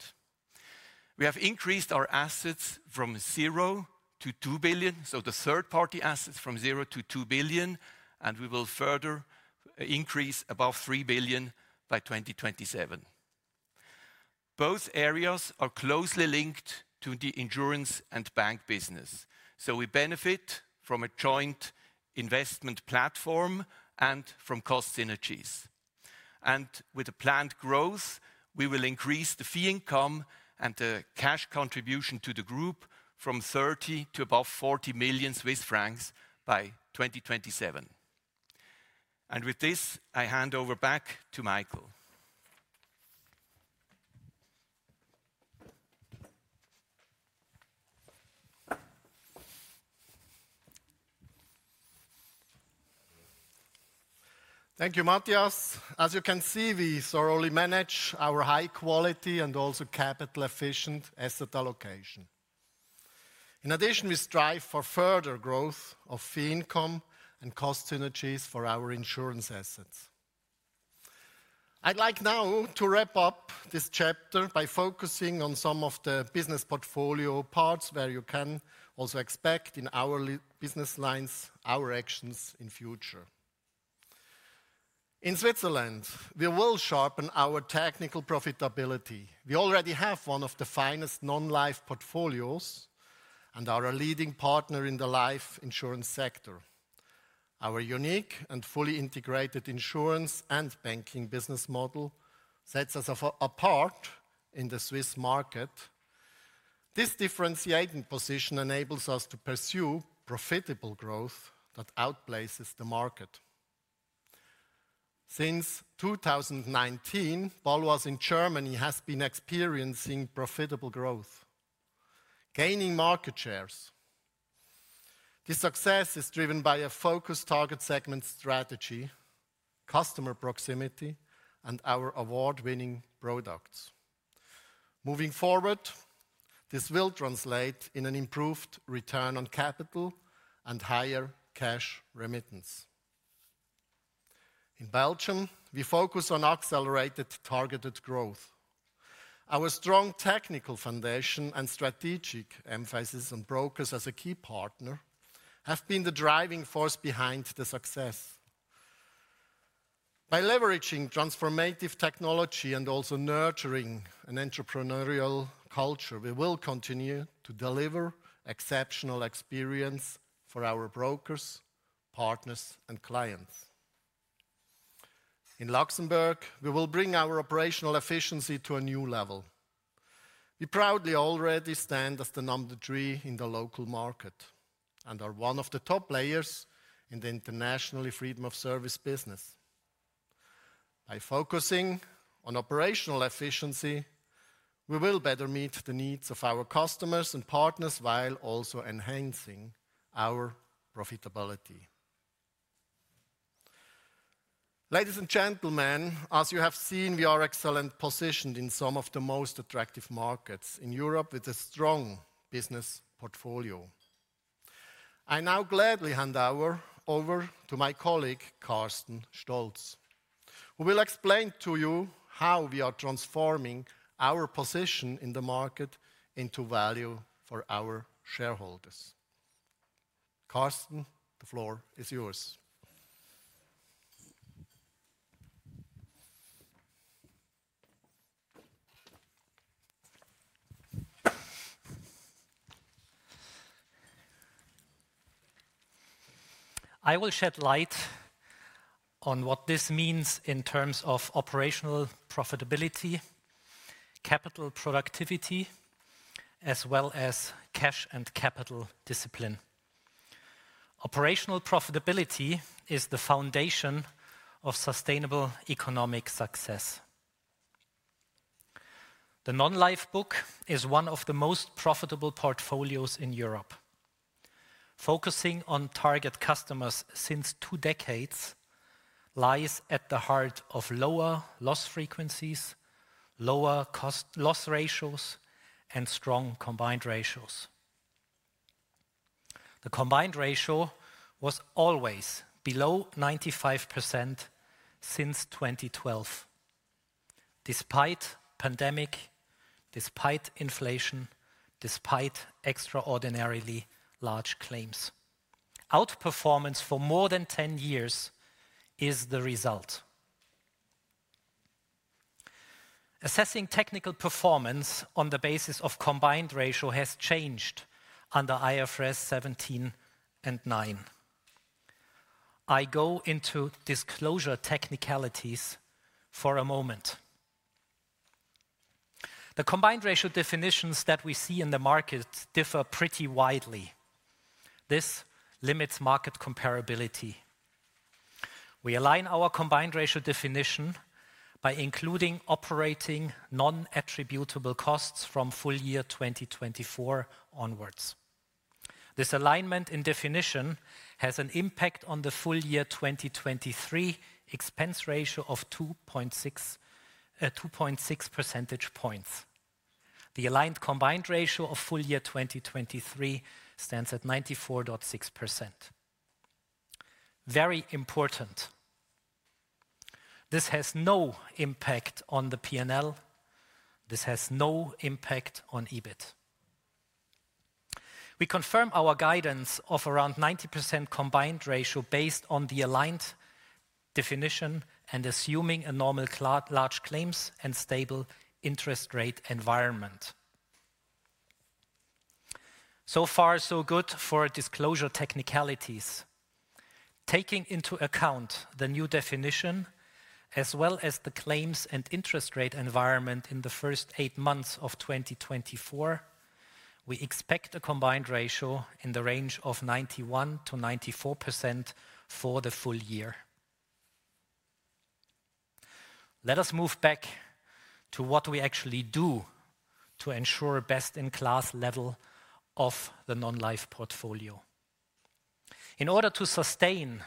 [SPEAKER 5] We have increased our assets from zero to 2 billion, so the third-party assets from zero to 2 billion, and we will further increase above 3 billion by 2027. Both areas are closely linked to the insurance and bank business, so we benefit from a joint investment platform and from cost synergies. With the planned growth, we will increase the fee income and the cash contribution to the group from 30 million to above 40 million Swiss francs by 2027. With this, I hand over back to Michael.
[SPEAKER 1] Thank you, Matthias. As you can see, we thoroughly manage our high quality and also capital-efficient asset allocation. In addition, we strive for further growth of fee income and cost synergies for our insurance assets. I'd like now to wrap up this chapter by focusing on some of the business portfolio parts where you can also expect in our business lines, our actions in future. In Switzerland, we will sharpen our technical profitability. We already have one of the finest non-life portfolios and are a leading partner in the life insurance sector. Our unique and fully integrated insurance and banking business model sets us apart in the Swiss market. This differentiating position enables us to pursue profitable growth that outpaces the market. Since two thousand and nineteen, Baloise in Germany has been experiencing profitable growth, gaining market shares. This success is driven by a focused target segment strategy, customer proximity, and our award-winning products. Moving forward, this will translate in an improved return on capital and higher cash remittance. In Belgium, we focus on accelerated targeted growth. Our strong technical foundation and strategic emphasis on brokers as a key partner have been the driving force behind the success. By leveraging transformative technology and also nurturing an entrepreneurial culture, we will continue to deliver exceptional experience for our brokers, partners, and clients. In Luxembourg, we will bring our operational efficiency to a new level. We proudly already stand as the number three in the local market and are one of the top players in the international freedom of service business. By focusing on operational efficiency, we will better meet the needs of our customers and partners, while also enhancing our profitability. Ladies and gentlemen, as you have seen, we are excellently positioned in some of the most attractive markets in Europe with a strong business portfolio. I now gladly hand over to my colleague, Carsten Stolz, who will explain to you how we are transforming our position in the market into value for our shareholders. Carsten, the floor is yours.
[SPEAKER 2] I will shed light on what this means in terms of operational profitability, capital productivity, as well as cash and capital discipline. Operational profitability is the foundation of sustainable economic success. The non-life book is one of the most profitable portfolios in Europe. Focusing on target customers since two decades lies at the heart of lower loss frequencies, lower cost loss ratios, and strong combined ratios. The combined ratio was always below 95% since 2012, despite pandemic, despite inflation, despite extraordinarily large claims. Outperformance for more than 10 years is the result. Assessing technical performance on the basis of combined ratio has changed under IFRS 17 and 9. I go into disclosure technicalities for a moment. The combined ratio definitions that we see in the market differ pretty widely. This limits market comparability. We align our Combined Ratio definition by including operating non-attributable costs from full year 2024 onwards. This alignment in definition has an impact on the full year 2023 expense ratio of 2.6 percentage points. The aligned Combined Ratio of full year 2023 stands at 94.6%. Very important, this has no impact on the P&L. This has no impact on EBIT. We confirm our guidance of around 90% Combined Ratio based on the aligned definition and assuming a normal large claims and stable interest rate environment. So far, so good for disclosure technicalities. Taking into account the new definition, as well as the claims and interest rate environment in the first eight months of 2024, we expect a Combined Ratio in the range of 91%-94% for the full year. Let us move back to what we actually do to ensure best-in-class level of the non-life portfolio. In order to sustain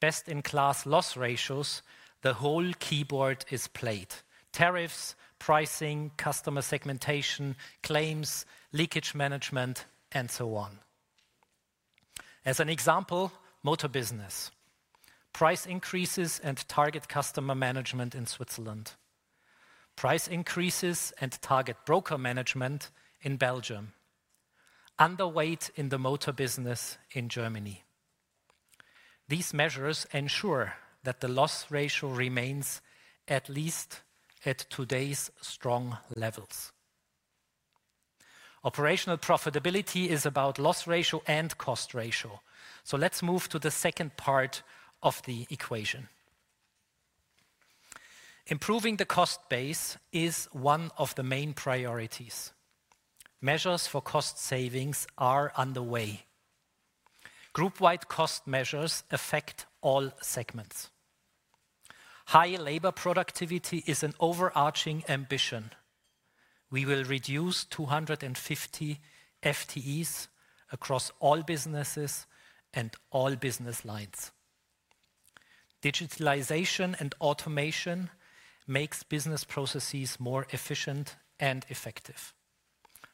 [SPEAKER 2] best-in-class loss ratios, the whole keyboard is played: tariffs, pricing, customer segmentation, claims, leakage management, and so on. As an example, motor business. Price increases and target customer management in Switzerland. Price increases and target broker management in Belgium. Underweight in the motor business in Germany. These measures ensure that the loss ratio remains at least at today's strong levels. Operational profitability is about loss ratio and cost ratio. So let's move to the second part of the equation. Improving the cost base is one of the main priorities. Measures for cost savings are underway. Group-wide cost measures affect all segments. High labor productivity is an overarching ambition. We will reduce 250 FTEs across all businesses and all business lines. Digitalization and automation makes business processes more efficient and effective.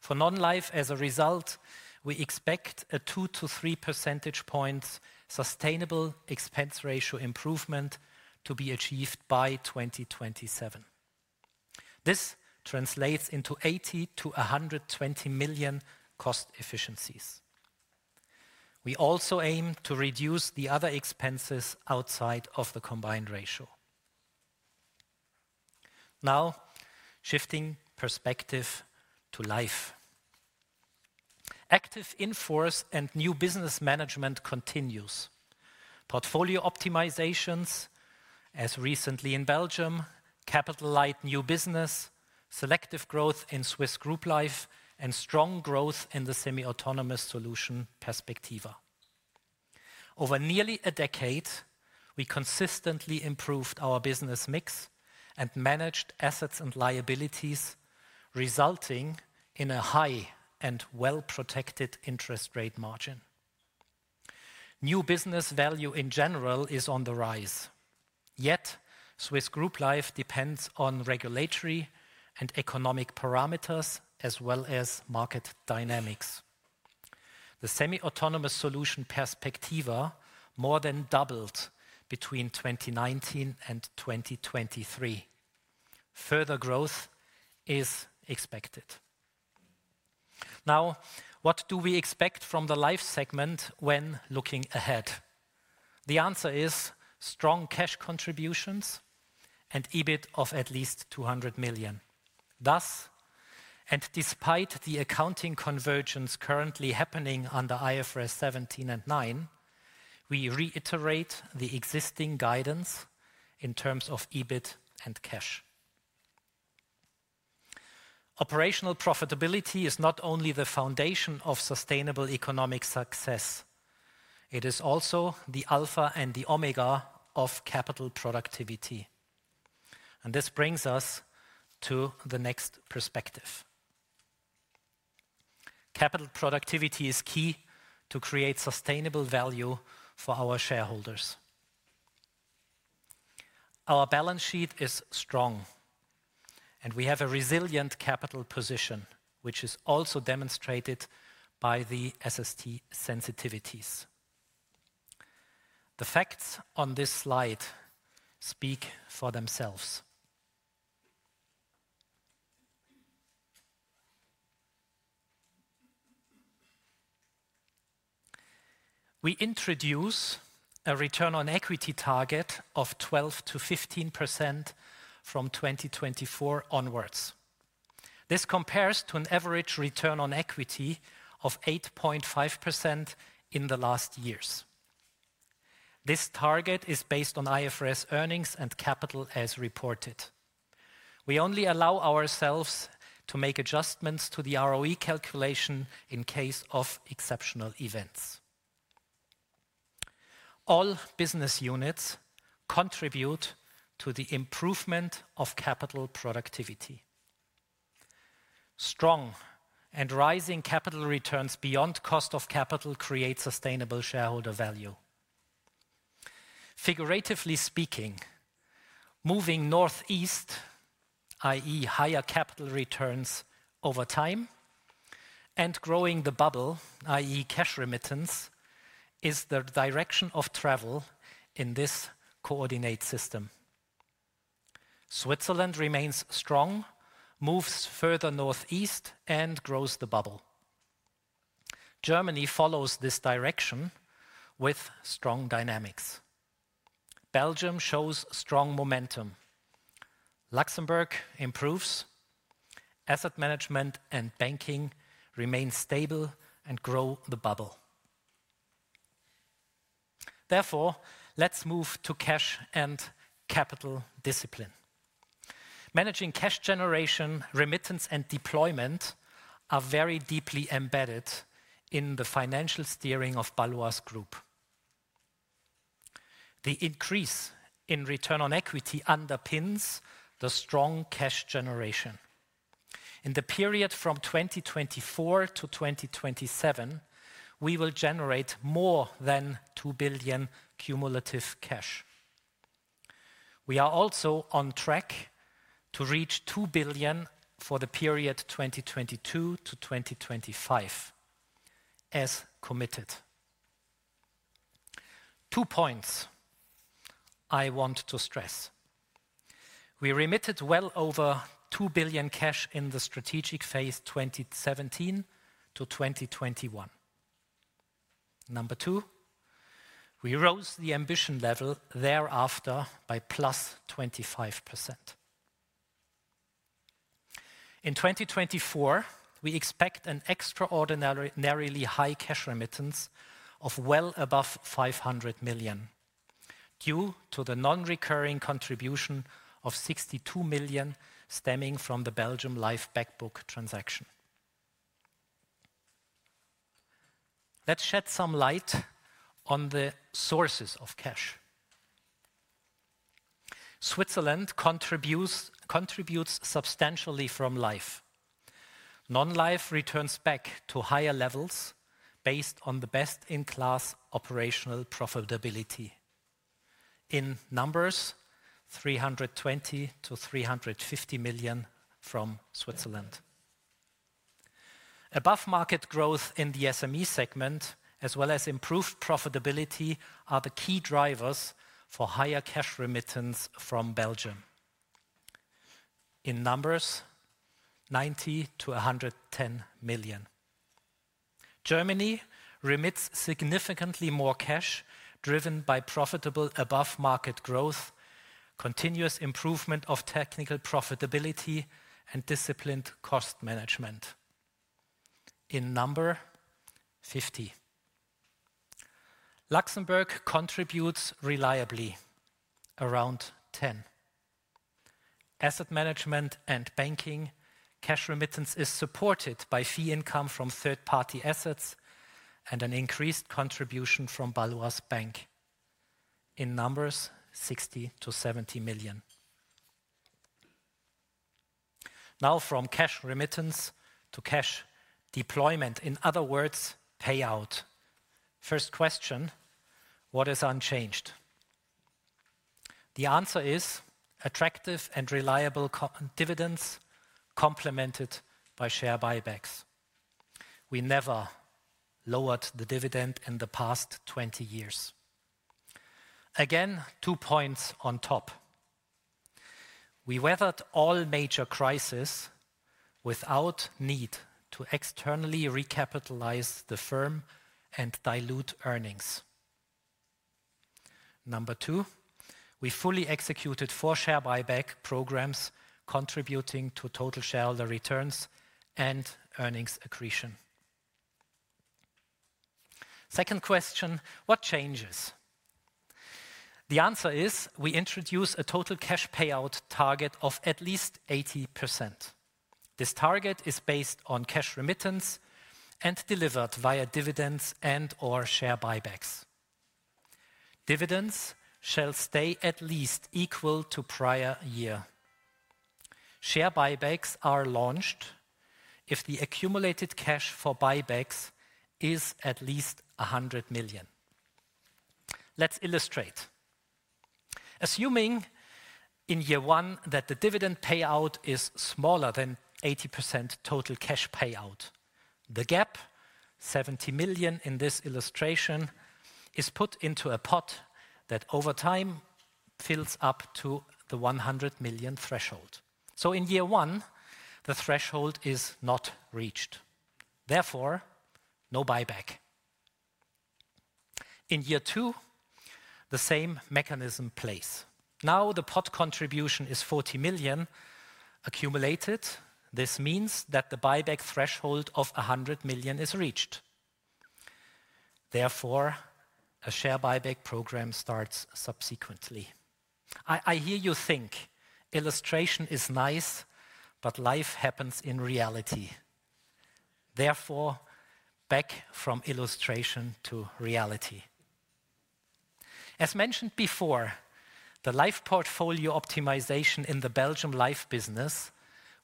[SPEAKER 2] For non-life, as a result, we expect a two to three percentage points sustainable expense ratio improvement to be achieved by 2027. This translates into 80-120 million cost efficiencies. We also aim to reduce the other expenses outside of the combined ratio. Now, shifting perspective to life. Active in-force and new business management continues. Portfolio optimizations, as recently in Belgium, capital-light new business, selective growth in Swiss group life, and strong growth in the semi-autonomous solution Perspectiva. Over nearly a decade, we consistently improved our business mix and managed assets and liabilities, resulting in a high and well-protected interest rate margin. New business value in general is on the rise, yet Swiss group life depends on regulatory and economic parameters as well as market dynamics. The semi-autonomous solution Perspectiva more than doubled between 2019 and 2023. Further growth is expected. Now, what do we expect from the life segment when looking ahead? The answer is strong cash contributions and EBIT of at least 200 million. Thus, and despite the accounting convergence currently happening under IFRS 17 and 9, we reiterate the existing guidance in terms of EBIT and cash. Operational profitability is not only the foundation of sustainable economic success, it is also the alpha and the omega of capital productivity, and this brings us to the next perspective. Capital productivity is key to create sustainable value for our shareholders. Our balance sheet is strong, and we have a resilient capital position, which is also demonstrated by the SST sensitivities. The facts on this slide speak for themselves. We introduce a return on equity target of 12%-15% from 2024 onwards. This compares to an average return on equity of 8.5% in the last years. This target is based on IFRS earnings and capital as reported. We only allow ourselves to make adjustments to the ROE calculation in case of exceptional events. All business units contribute to the improvement of capital productivity. Strong and rising capital returns beyond cost of capital create sustainable shareholder value. Figuratively speaking, moving northeast, i.e., higher capital returns over time, and growing the bubble, i.e., cash remittance, is the direction of travel in this coordinate system. Switzerland remains strong, moves further northeast, and grows the bubble. Germany follows this direction with strong dynamics. Belgium shows strong momentum. Luxembourg improves. Asset management and banking remain stable and grow the bubble. Therefore, let's move to cash and capital discipline. Managing cash generation, remittance, and deployment are very deeply embedded in the financial steering of Baloise Group. The increase in return on equity underpins the strong cash generation. In the period from 2024 to 2027, we will generate more than 2 billion cumulative cash. We are also on track to reach 2 billion for the period 2022 to 2025, as committed. Two points I want to stress: We remitted well over 2 billion cash in the strategic phase 2017 to 2021. Number two, we rose the ambition level thereafter by plus 25%. In 2024, we expect an extraordinarily high cash remittance of well above 500 million, due to the non-recurring contribution of 62 million stemming from the Belgium Life back book transaction. Let's shed some light on the sources of cash. Switzerland contributes substantially from Life. Non-life returns back to higher levels based on the best-in-class operational profitability. In numbers, 320-350 million from Switzerland. Above-market growth in the SME segment, as well as improved profitability, are the key drivers for higher cash remittance from Belgium. In numbers, 90-110 million. Germany remits significantly more cash, driven by profitable above-market growth, continuous improvement of technical profitability, and disciplined cost management. In number, CHF 50 million. Luxembourg contributes reliably, around 10 million. Asset management and banking cash remittance is supported by fee income from third-party assets and an increased contribution from Baloise Bank. In numbers, CHF 60-70 million. Now, from cash remittance to cash deployment, in other words, payout. First question: What is unchanged? The answer is attractive and reliable dividends, complemented by share buybacks. We never lowered the dividend in the past twenty years. Again, two points on top. We weathered all major crises without need to externally recapitalize the firm and dilute earnings. Number two, we fully executed four share buyback programs, contributing to total shareholder returns and earnings accretion. Second question: What changes? The answer is we introduce a total cash payout target of at least 80%. This target is based on cash remittance and delivered via dividends and/or share buybacks. Dividends shall stay at least equal to prior year. Share buybacks are launched if the accumulated cash for buybacks is at least 100 million. Let's illustrate. Assuming in year one that the dividend payout is smaller than 80% total cash payout, the gap, 70 million in this illustration, is put into a pot that over time fills up to the 100 million threshold. So in year one, the threshold is not reached, therefore, no buyback. In year two, the same mechanism plays. Now, the pot contribution is 40 million accumulated. This means that the buyback threshold of 100 million is reached. Therefore, a share buyback program starts subsequently. I hear you think, illustration is nice, but life happens in reality. Therefore, back from illustration to reality. As mentioned before, the life portfolio optimization in the Belgium Life business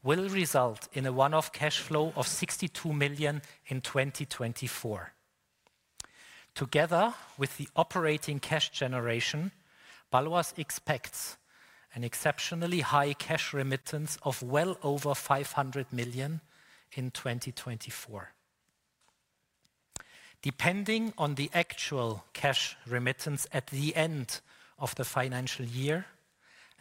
[SPEAKER 2] will result in a one-off cash flow of 62 million in 2024. Together with the operating cash generation, Baloise expects an exceptionally high cash remittance of well over 500 million in 2024. Depending on the actual cash remittance at the end of the financial year,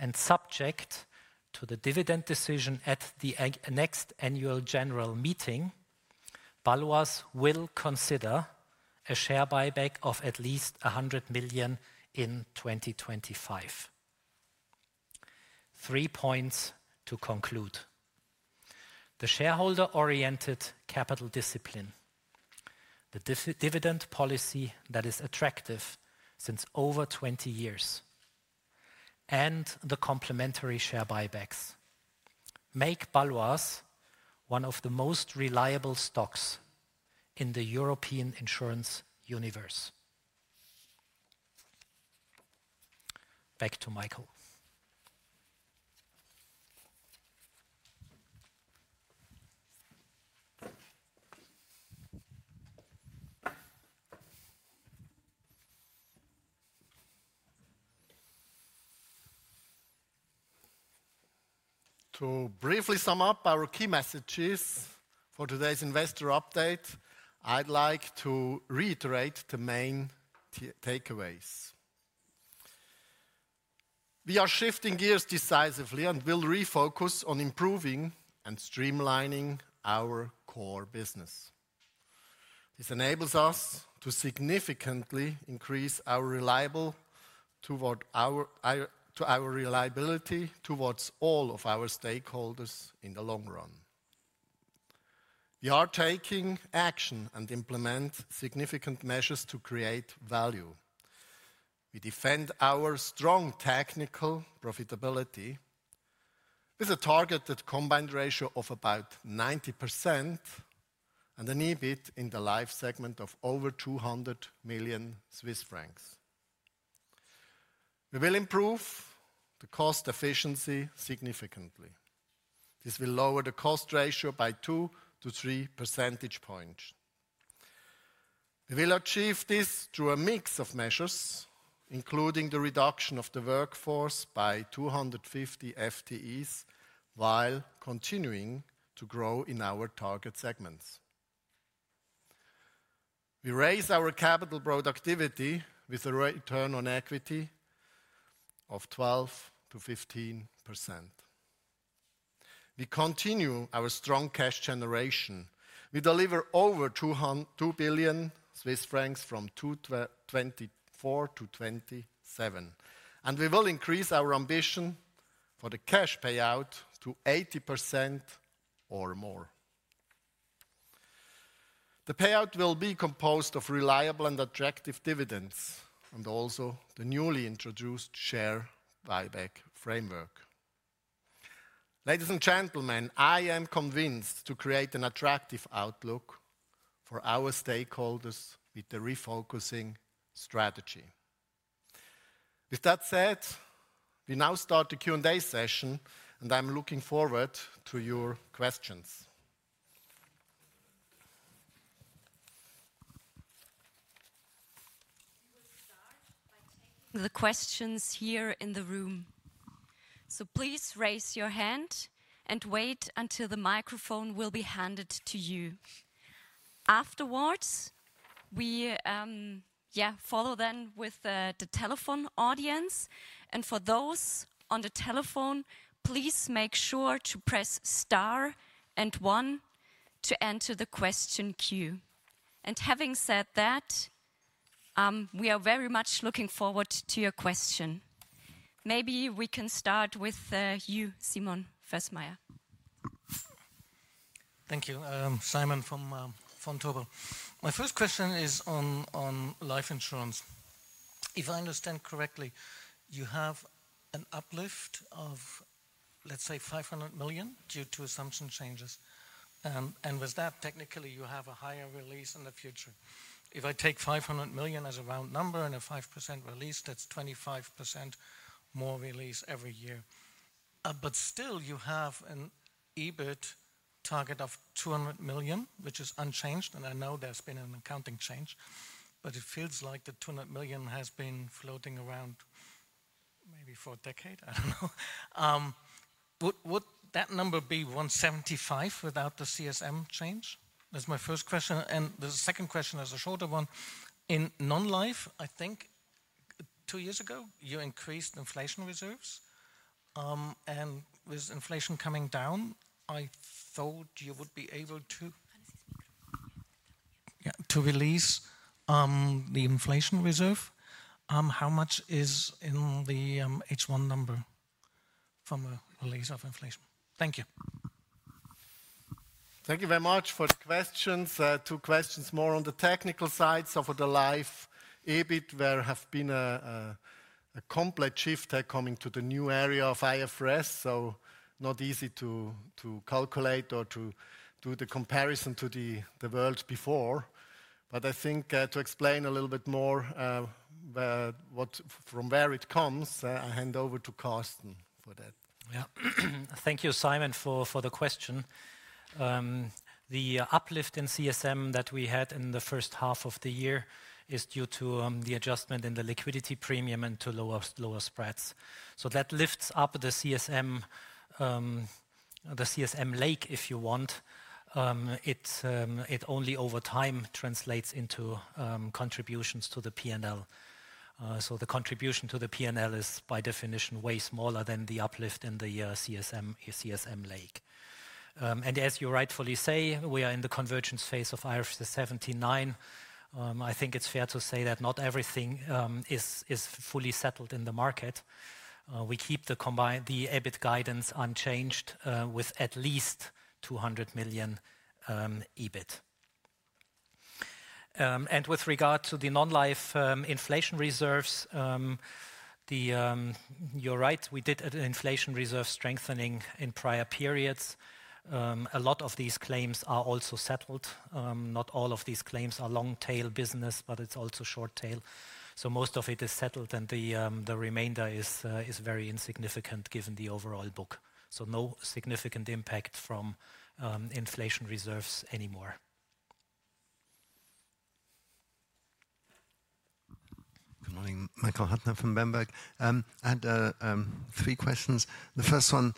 [SPEAKER 2] and subject to the dividend decision at the next Annual General Meeting, Baloise will consider a share buyback of at least 100 million in 2025. Three points to conclude: the shareholder-oriented capital discipline, the dividend policy that is attractive since over twenty years, and the complementary share buybacks make Baloise one of the most reliable stocks in the European insurance universe. Back to Michael.
[SPEAKER 1] To briefly sum up our key messages for today's investor update, I'd like to reiterate the main takeaways. We are shifting gears decisively and will refocus on improving and streamlining our core business. This enables us to significantly increase our reliability towards all of our stakeholders in the long run. We are taking action and implement significant measures to create value. We defend our strong technical profitability with a targeted combined ratio of about 90% and an EBIT in the life segment of over 200 million Swiss francs. We will improve the cost efficiency significantly. This will lower the cost ratio by 2-3 percentage points. We will achieve this through a mix of measures, including the reduction of the workforce by 250 FTEs, while continuing to grow in our target segments. We raise our capital productivity with a return on equity of 12%-15%. We continue our strong cash generation. We deliver over 2 billion Swiss francs from 2024 to 2027, and we will increase our ambition for the cash payout to 80% or more. The payout will be composed of reliable and attractive dividends, and also the newly introduced share buyback framework. Ladies and gentlemen, I am convinced to create an attractive outlook for our stakeholders with the refocusing strategy. With that said, we now start the Q&A session, and I'm looking forward to your questions.
[SPEAKER 6] We will start by taking the questions here in the room, so please raise your hand and wait until the microphone will be handed to you. Afterwards, we follow then with the telephone audience, and for those on the telephone, please make sure to press star and one to enter the question queue. And having said that, we are very much looking forward to your question. Maybe we can start with you, Simon Foessmeier.
[SPEAKER 7] Thank you. I'm Simon from Vontobel. My first question is on life insurance. If I understand correctly, you have an uplift of, let's say, 500 million due to assumption changes, and with that, technically, you have a higher release in the future. If I take 500 million as a round number and a 5% release, that's 25% more release every year. But still, you have an EBIT target of 200 million, which is unchanged, and I know there's been an accounting change, but it feels like the 200 million has been floating around maybe for a decade? I don't know. Would that number be 175 without the CSM change? That's my first question. And the second question is a shorter one. In non-life, I think two years ago, you increased inflation reserves, and with inflation coming down, I thought you would be able to-
[SPEAKER 6] Can you speak closer?...
[SPEAKER 7] Yeah, to release the inflation reserve. How much is in the H1 number from a release of inflation? Thank you.
[SPEAKER 1] Thank you very much for the questions. Two questions more on the technical side. So for the life EBIT, there has been a complete shift coming to the new era of IFRS, not easy to calculate or to do the comparison to the world before. But I think, to explain a little bit more, from where it comes, I hand over to Carsten for that.
[SPEAKER 2] Yeah. Thank you, Simon, for the question. The uplift in CSM that we had in the first half of the year is due to the adjustment in the illiquidity premium and to lower spreads. So that lifts up the CSM, the CSM lake, if you want. It only over time translates into contributions to the P&L. So the contribution to the P&L is by definition way smaller than the uplift in the CSM, CSM lake. And as you rightfully say, we are in the convergence phase of IFRS 17. I think it's fair to say that not everything is fully settled in the market. We keep the combined EBIT guidance unchanged, with at least 200 million EBIT. And with regard to the non-life inflation reserves, the... You're right, we did an inflation reserve strengthening in prior periods. A lot of these claims are also settled. Not all of these claims are long-tail business, but it's also short tail. So most of it is settled, and the remainder is very insignificant given the overall book. So no significant impact from inflation reserves anymore.
[SPEAKER 8] Good morning. Michael Huttner from Berenberg. I had three questions. The first one,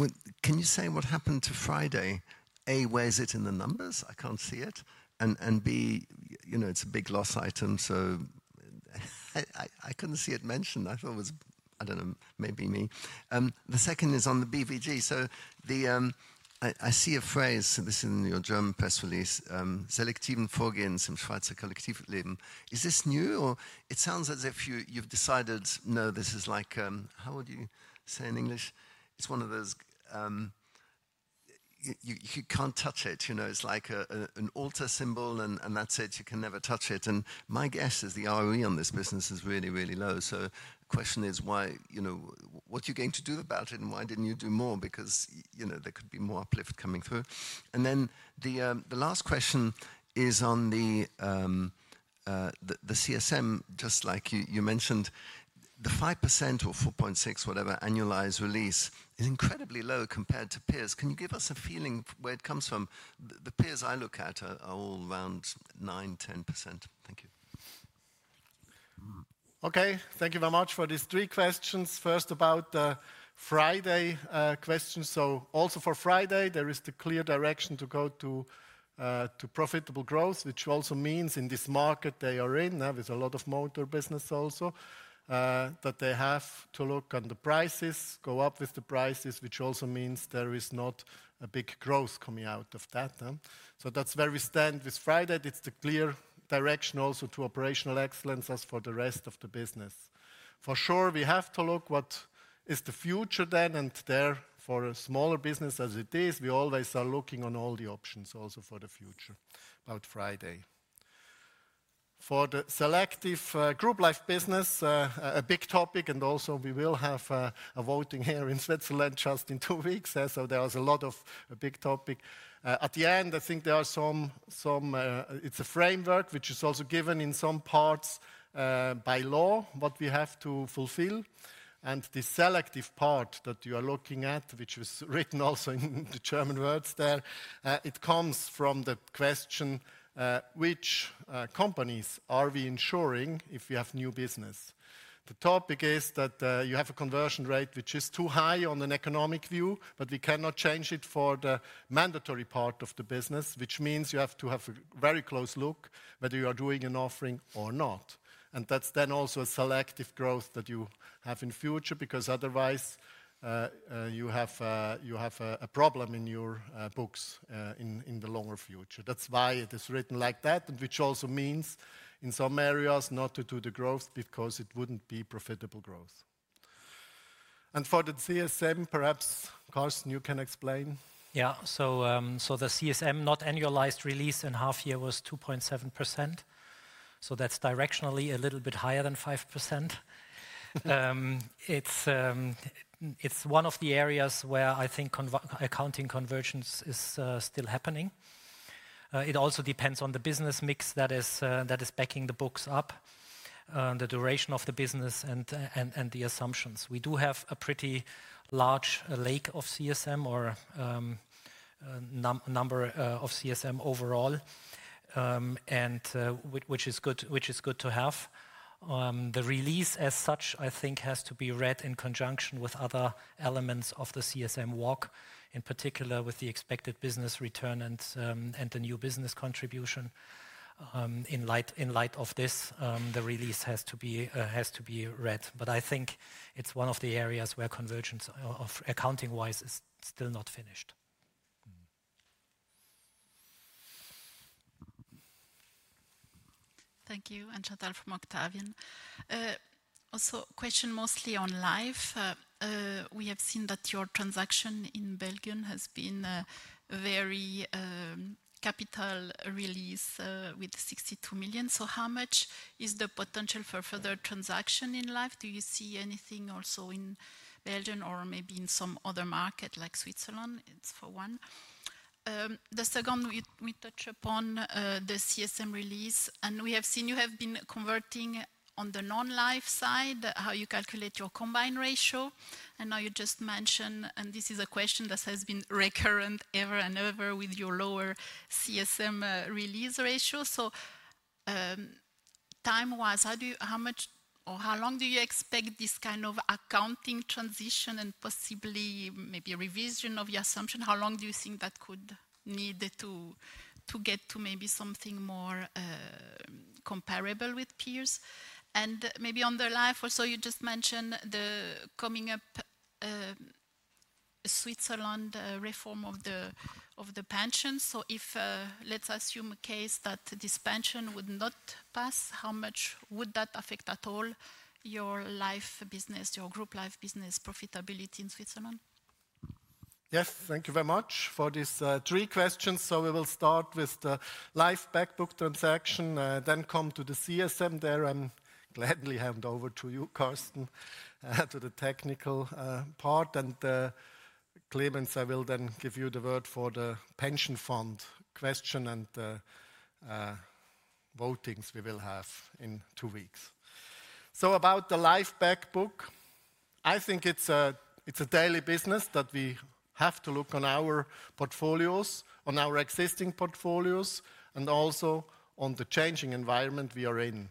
[SPEAKER 8] would—can you say what happened to Friday? A, where is it in the numbers? I can't see it. And B, you know, it's a big loss item, so I couldn't see it mentioned. I thought it was... I don't know, maybe me. The second is on the BVG. So I see a phrase, this is in your German press release, selektive Folgen im Schweizer Kollektivleben. Is this new, or it sounds as if you, you've decided, no, this is like, How would you say in English? It's one of those, you can't touch it, you know? It's like an altar symbol, and that's it. You can never touch it. My guess is the ROE on this business is really, really low. The question is why? You know, what are you going to do about it, and why didn't you do more? Because, you know, there could be more uplift coming through. The last question is on the CSM, just like you mentioned. The 5% or 4.6%, whatever, annualized release is incredibly low compared to peers. Can you give us a feeling where it comes from? The peers I look at are all around 9-10%. Thank you.
[SPEAKER 1] Okay, thank you very much for these three questions. First, about the Friday question, so also for Friday, there is the clear direction to go to profitable growth, which also means in this market they are in, there is a lot of motor business also that they have to look on the prices, go up with the prices, which also means there is not a big growth coming out of that. So that's where we stand with Friday. It's the clear direction also to operational excellence as for the rest of the business. For sure, we have to look what is the future then, and there, for a smaller business as it is, we always are looking on all the options also for the future, about Friday. For the selective group life business, a big topic, and also we will have a voting here in Switzerland just in two weeks, so there was a lot of big topic. At the end, I think there are some... It's a framework which is also given in some parts by law, what we have to fulfill, and the selective part that you are looking at, which was written also in the German words there, it comes from the question: Which companies are we ensuring if we have new business? The topic is that you have a conversion rate which is too high on an economic view, but we cannot change it for the mandatory part of the business, which means you have to have a very close look whether you are doing an offering or not. And that's then also a selective growth that you have in future, because otherwise, you have a problem in your books in the longer future. That's why it is written like that, and which also means in some areas not to do the growth because it wouldn't be profitable growth. And for the CSM, perhaps, Carsten, you can explain.
[SPEAKER 2] Yeah. So the CSM not annualized release in half year was 2.7%, so that's directionally a little bit higher than 5%. It's one of the areas where I think accounting convergence is still happening. It also depends on the business mix that is backing the books up, the duration of the business and the assumptions. We do have a pretty large lake of CSM or a number of CSM overall, and which is good to have. The release as such, I think, has to be read in conjunction with other elements of the CSM walk, in particular with the expected business return and the new business contribution. In light of this, the release has to be read. But I think it's one of the areas where convergence of accounting-wise is still not finished.
[SPEAKER 1] Mm-hmm. Thank you. Anne-Chantal from Octavian. Also question mostly on Life. We have seen that your transaction in Belgium has been very capital release with 62 million. So how much is the potential for further transaction in Life? Do you see anything also in Belgium or maybe in some other market like Switzerland? The second, we touch upon the CSM release, and we have seen you have been converting on the non-life side, how you calculate your combined ratio. And now you just mentioned, and this is a question that has been recurrent over and over with your lower CSM release ratio. So, time-wise, how do you how much or how long do you expect this kind of accounting transition and possibly maybe a revision of your assumption? How long do you think that could need to get to maybe something more comparable with peers? And maybe on the life also, you just mentioned the coming up Switzerland reform of the pension. So if let's assume a case that this pension would not pass, how much would that affect at all your life business, your group life business profitability in Switzerland? Yes, thank you very much for these three questions. We will start with the life back book transaction, then come to the CSM there, and gladly hand over to you, Carsten, to the technical part. Clemens, I will then give you the word for the pension fund question and the votings we will have in two weeks. About the life back book, I think it's a daily business that we have to look on our portfolios, on our existing portfolios, and also on the changing environment we are in.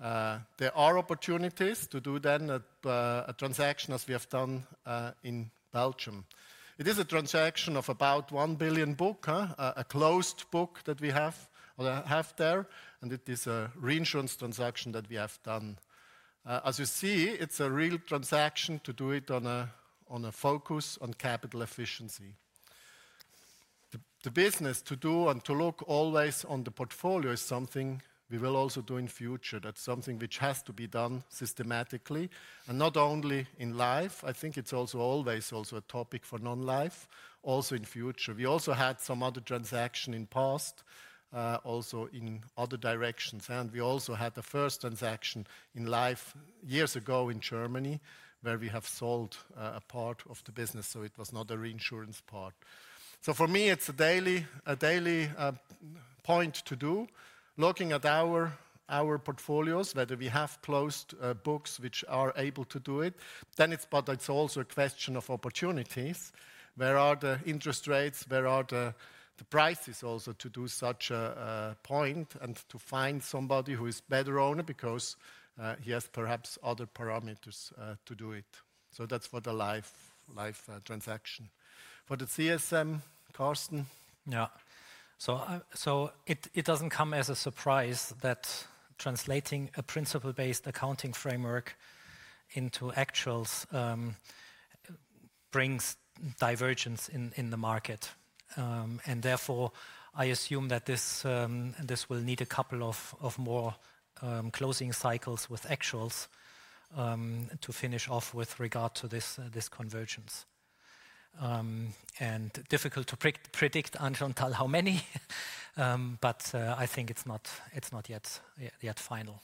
[SPEAKER 1] There are opportunities to do a transaction as we have done in Belgium. It is a transaction of about 1 billion CHF book. A closed book that we have there, and it is a reinsurance transaction that we have done. As you see, it's a real transaction to do it on a focus on capital efficiency. The business to do and to look always on the portfolio is something we will also do in future. That's something which has to be done systematically, and not only in life. I think it's also always a topic for non-life, also in future. We also had some other transaction in past, also in other directions, and we also had the first transaction in life years ago in Germany, where we have sold a part of the business, so it was not a reinsurance part. So for me, it's a daily point to do, looking at our portfolios, whether we have closed books which are able to do it. Then it's, but it's also a question of opportunities. Where are the interest rates? Where are the prices also to do such a point, and to find somebody who is better owner because he has perhaps other parameters to do it. So that's for the life transaction. For the CSM, Carsten?
[SPEAKER 2] Yeah. So it doesn't come as a surprise that translating a principles-based accounting framework into actuals brings divergence in the market. And therefore, I assume that this will need a couple of more closing cycles with actuals to finish off with regard to this convergence. And difficult to predict, analyst, how many, but I think it's not yet final.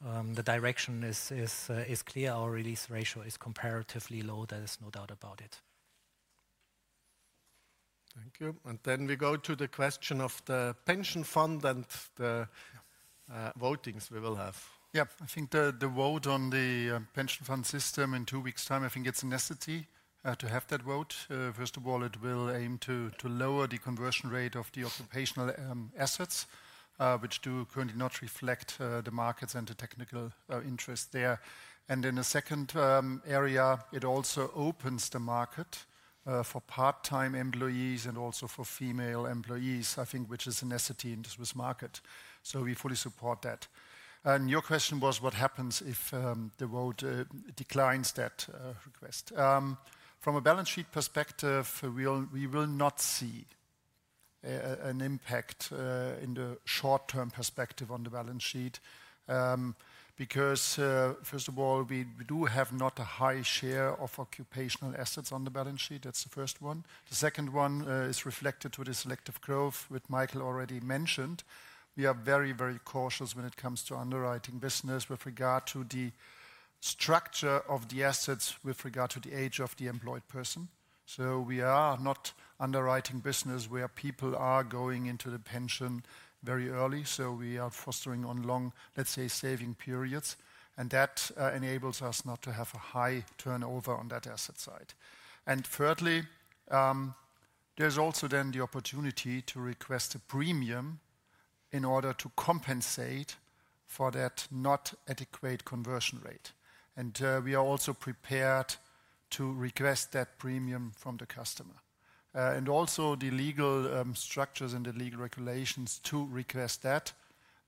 [SPEAKER 2] The direction is clear. Our release ratio is comparatively low. There is no doubt about it.
[SPEAKER 1] Thank you. And then we go to the question of the pension fund and the votings we will have.
[SPEAKER 3] Yeah. I think the vote on the pension fund system in two weeks' time, I think it's a necessity to have that vote. First of all, it will aim to lower the conversion rate of the occupational assets, which do currently not reflect the markets and the technical interest there. And in the second area, it also opens the market for part-time employees and also for female employees, I think, which is a necessity in the Swiss market. So we fully support that. And your question was, what happens if the vote declines that request? From a balance sheet perspective, we will not see an impact in the short-term perspective on the balance sheet. Because, first of all, we do not have a high share of occupational assets on the balance sheet. That's the first one. The second one is related to the selective growth, which Michael already mentioned. We are very, very cautious when it comes to underwriting business with regard to the structure of the assets, with regard to the age of the employed person. So we are not underwriting business where people are going into the pension very early, so we are focusing on long, let's say, saving periods, and that enables us not to have a high turnover on that asset side. And thirdly, there's also then the opportunity to request a premium in order to compensate for that inadequate conversion rate. And we are also prepared to request that premium from the customer. And also the legal structures and the legal regulations to request that,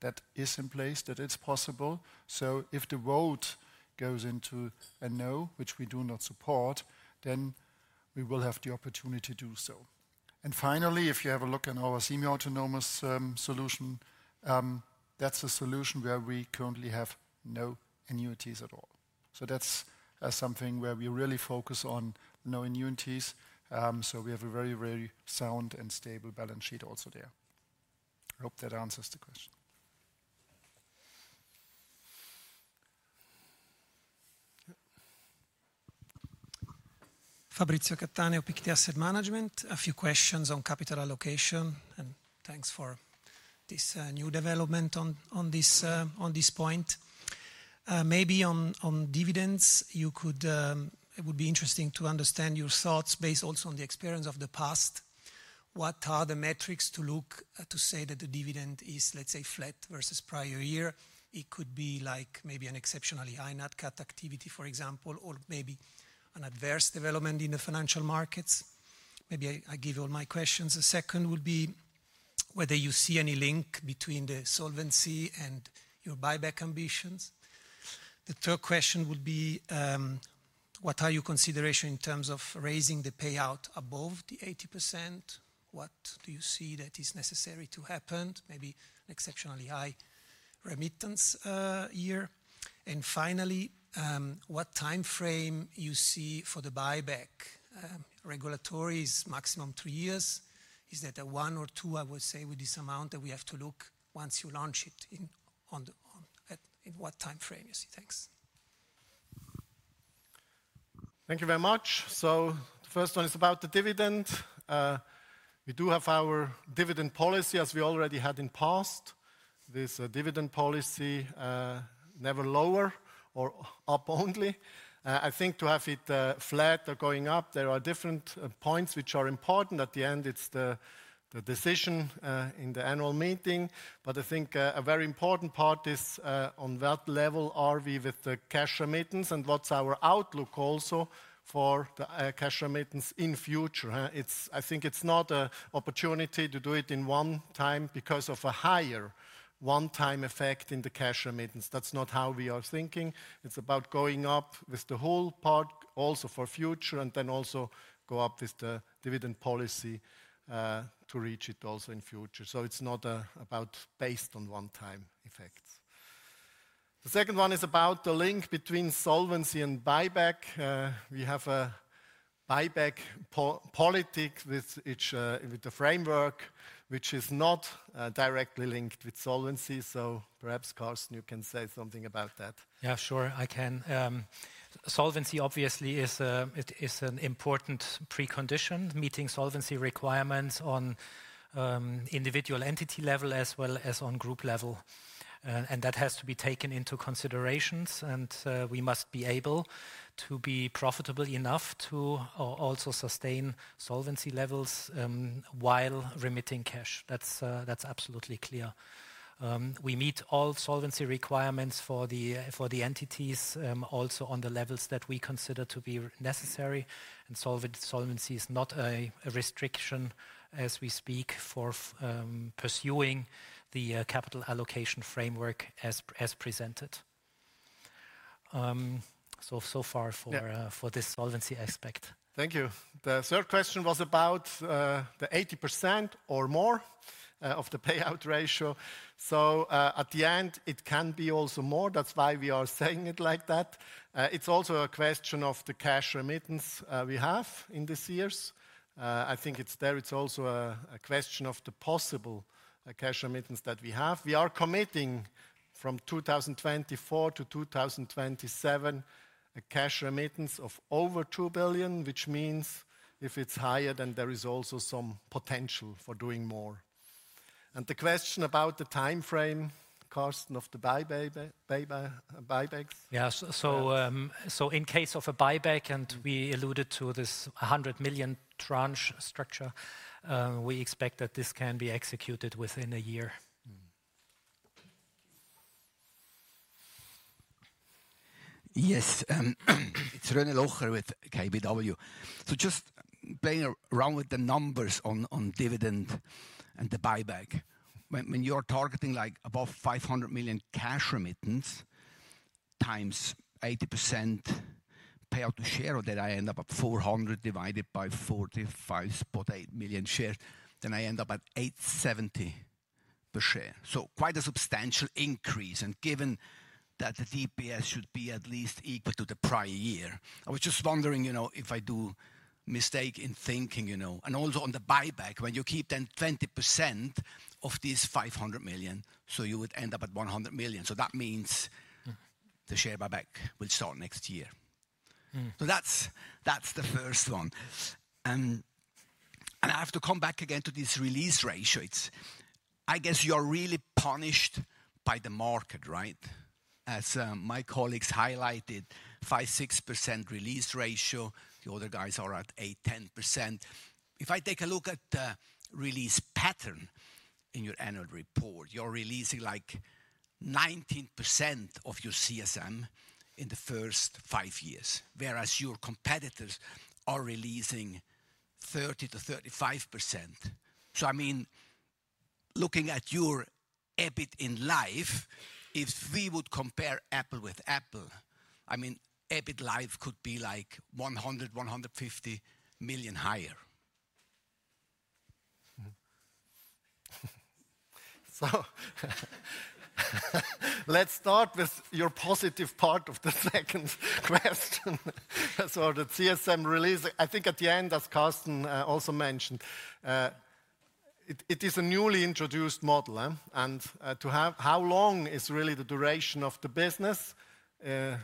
[SPEAKER 3] that is in place, that it's possible. So if the vote goes into a no, which we do not support, then we will have the opportunity to do so. And finally, if you have a look at our semi-autonomous solution, that's a solution where we currently have no annuities at all. So that's something where we really focus on no annuities, so we have a very, very sound and stable balance sheet also there. I hope that answers the question.... Fabrizio Cattaneo, Pictet Asset Management. A few questions on capital allocation, and thanks for this new development on this point. Maybe on dividends, you could, it would be interesting to understand your thoughts based also on the experience of the past. What are the metrics to look to say that the dividend is, let's say, flat versus prior year? It could be like maybe an exceptionally high Nat Cat activity, for example, or maybe an adverse development in the financial markets. Maybe I give all my questions. The second would be whether you see any link between the solvency and your buyback ambitions. The third question would be, what are your consideration in terms of raising the payout above the 80%? What do you see that is necessary to happen? Maybe an exceptionally high remittance year. And finally, what time frame you see for the buyback? Regulatory is maximum three years. Is that a one or two, I would say, with this amount that we have to look at once you launch it, in what time frame you see? Thanks.
[SPEAKER 1] Thank you very much. So the first one is about the dividend. We do have our dividend policy as we already had in past. This dividend policy, never lower or up only. I think to have it flat or going up, there are different points which are important. At the end, it's the decision in the annual meeting. But I think a very important part is on what level are we with the cash remittance, and what's our outlook also for the cash remittance in future. It's I think it's not an opportunity to do it in one time because of a higher one-time effect in the cash remittance. That's not how we are thinking. It's about going up with the whole part, also for future, and then also go up with the dividend policy, to reach it also in future. So it's not about based on one-time effects. The second one is about the link between solvency and buyback. We have a buyback policy with each, with the framework, which is not directly linked with solvency. So perhaps, Carsten, you can say something about that.
[SPEAKER 2] Yeah, sure, I can. Solvency obviously is an important precondition, meeting solvency requirements on individual entity level as well as on group level. And that has to be taken into considerations, and we must be able to be profitable enough to also sustain solvency levels while remitting cash. That's absolutely clear. We meet all solvency requirements for the entities, also on the levels that we consider to be necessary, and solvency is not a restriction, as we speak, for pursuing the capital allocation framework as presented. So far for-
[SPEAKER 1] Yeah...
[SPEAKER 2] for this solvency aspect.
[SPEAKER 1] Thank you. The third question was about the 80% or more of the payout ratio. So, at the end, it can be also more. That's why we are saying it like that. It's also a question of the cash remittance we have in this years. I think it's there, it's also a question of the possible cash remittance that we have. We are committing from two thousand twenty-four to two thousand twenty-seven, a cash remittance of over 2 billion, which means if it's higher, then there is also some potential for doing more. The question about the time frame, Carsten, of the buyback, buybacks?
[SPEAKER 2] Yeah. So in case of a buyback, and we alluded to this 100 million tranche structure, we expect that this can be executed within a year.
[SPEAKER 1] Mm-hmm.
[SPEAKER 9] Yes. It's Rene Locher with KBW. So just playing around with the numbers on dividend and the buyback. When you're targeting like above 500 million cash remittance, times 80% payout to share, that I end up at 400 divided by 45.8 million shares, then I end up at 8.70 per share. So quite a substantial increase, and given that the DPS should be at least equal to the prior year. I was just wondering, you know, if I do mistake in thinking, you know? And also on the buyback, when you keep then 20% of these 500 million, so you would end up at 100 million. So that means-
[SPEAKER 1] Mm...
[SPEAKER 9] the share buyback will start next year.
[SPEAKER 1] Mm.
[SPEAKER 9] That's the first one. And I have to come back again to this release ratio. It's. I guess you're really punished by the market, right? As my colleagues highlighted, 5-6% release ratio, the other guys are at 8-10%. If I take a look at the release pattern in your annual report, you're releasing like 19% of your CSM in the first five years, whereas your competitors are releasing 30-35%. So I mean, looking at your EBIT in life, if we would compare apple with apple, I mean, EBIT life could be like 100-150 million CHF higher.
[SPEAKER 1] So let's start with your positive part of the second question. So the CSM release, I think at the end, as Carsten also mentioned, it is a newly introduced model? And to have how long is really the duration of the business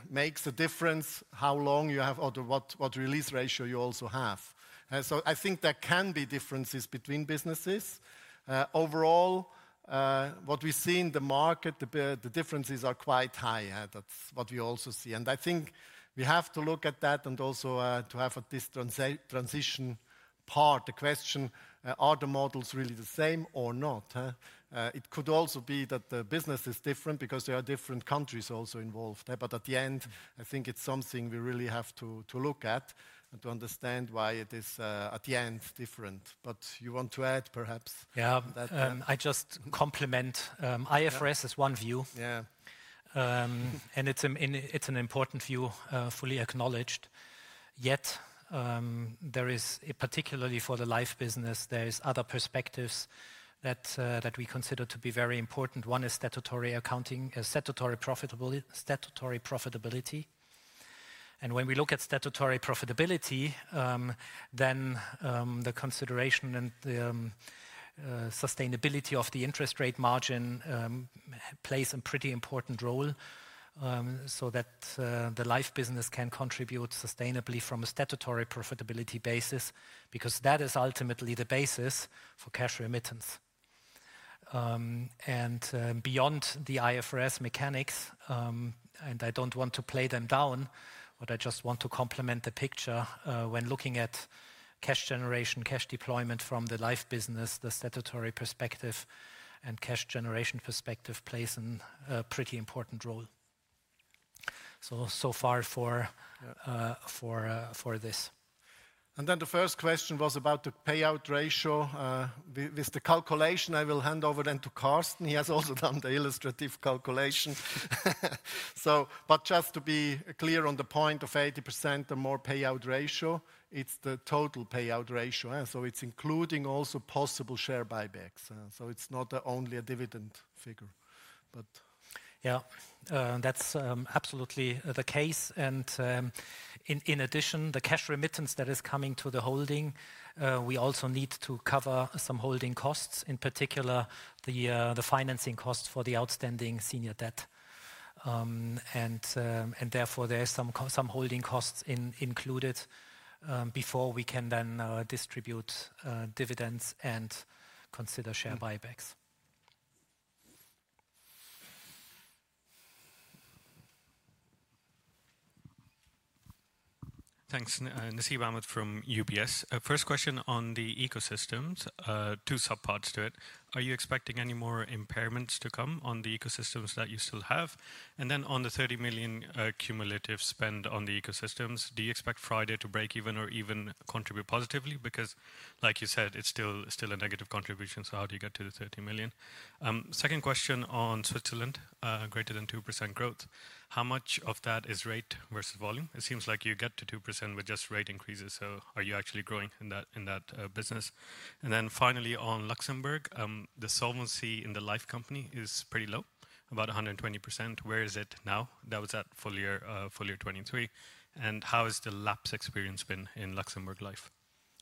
[SPEAKER 1] makes a difference, how long you have or what release ratio you also have. So I think there can be differences between businesses. Overall, what we see in the market, the differences are quite high. That's what we also see, and I think we have to look at that and also to have at this transition part, the question: Are the models really the same or not, huh? It could also be that the business is different because there are different countries also involved there. But at the end, I think it's something we really have to look at and to understand why it is at the end, different. But you want to add, perhaps?
[SPEAKER 2] Yeah.
[SPEAKER 1] That, uh-
[SPEAKER 2] I just comment. IFRS-
[SPEAKER 1] Yeah...
[SPEAKER 2] is one view.
[SPEAKER 1] Yeah.
[SPEAKER 2] And it's an important view, fully acknowledged. Yet, there is particularly for the life business, there is other perspectives that we consider to be very important. One is statutory accounting, statutory profitability, statutory profitability. And when we look at statutory profitability, then, the consideration and the sustainability of the interest rate margin plays a pretty important role, so that the life business can contribute sustainably from a statutory profitability basis, because that is ultimately the basis for cash remittance. And, beyond the IFRS mechanics, and I don't want to play them down, but I just want to complement the picture, when looking at cash generation, cash deployment from the life business, the statutory perspective and cash generation perspective plays a pretty important role. So far for this.
[SPEAKER 1] And then the first question was about the payout ratio. With the calculation, I will hand over then to Carsten. He has also done the illustrative calculation. So but just to be clear on the point of 80% or more payout ratio, it's the total payout ratio, eh? So it's including also possible share buybacks. So it's not only a dividend figure. But-
[SPEAKER 2] Yeah, that's absolutely the case. And in addition, the cash remittance that is coming to the holding, we also need to cover some holding costs, in particular, the financing costs for the outstanding senior debt. And therefore, there are some holding costs included, before we can then distribute dividends and consider share buybacks.
[SPEAKER 10] Thanks. Nasib Ahmed from UBS. First question on the ecosystems, two subparts to it: Are you expecting any more impairments to come on the ecosystems that you still have? And then on the 30 million cumulative spend on the ecosystems, do you expect Friday to break even or even contribute positively? Because, like you said, it's still a negative contribution, so how do you get to the 30 million? Second question on Switzerland, greater than 2% growth. How much of that is rate versus volume? It seems like you get to 2% with just rate increases, so are you actually growing in that business? And then finally, on Luxembourg, the solvency in the life company is pretty low, about 120%. Where is it now? That was at full year 2023. And how has the lapse experience been in Luxembourg Life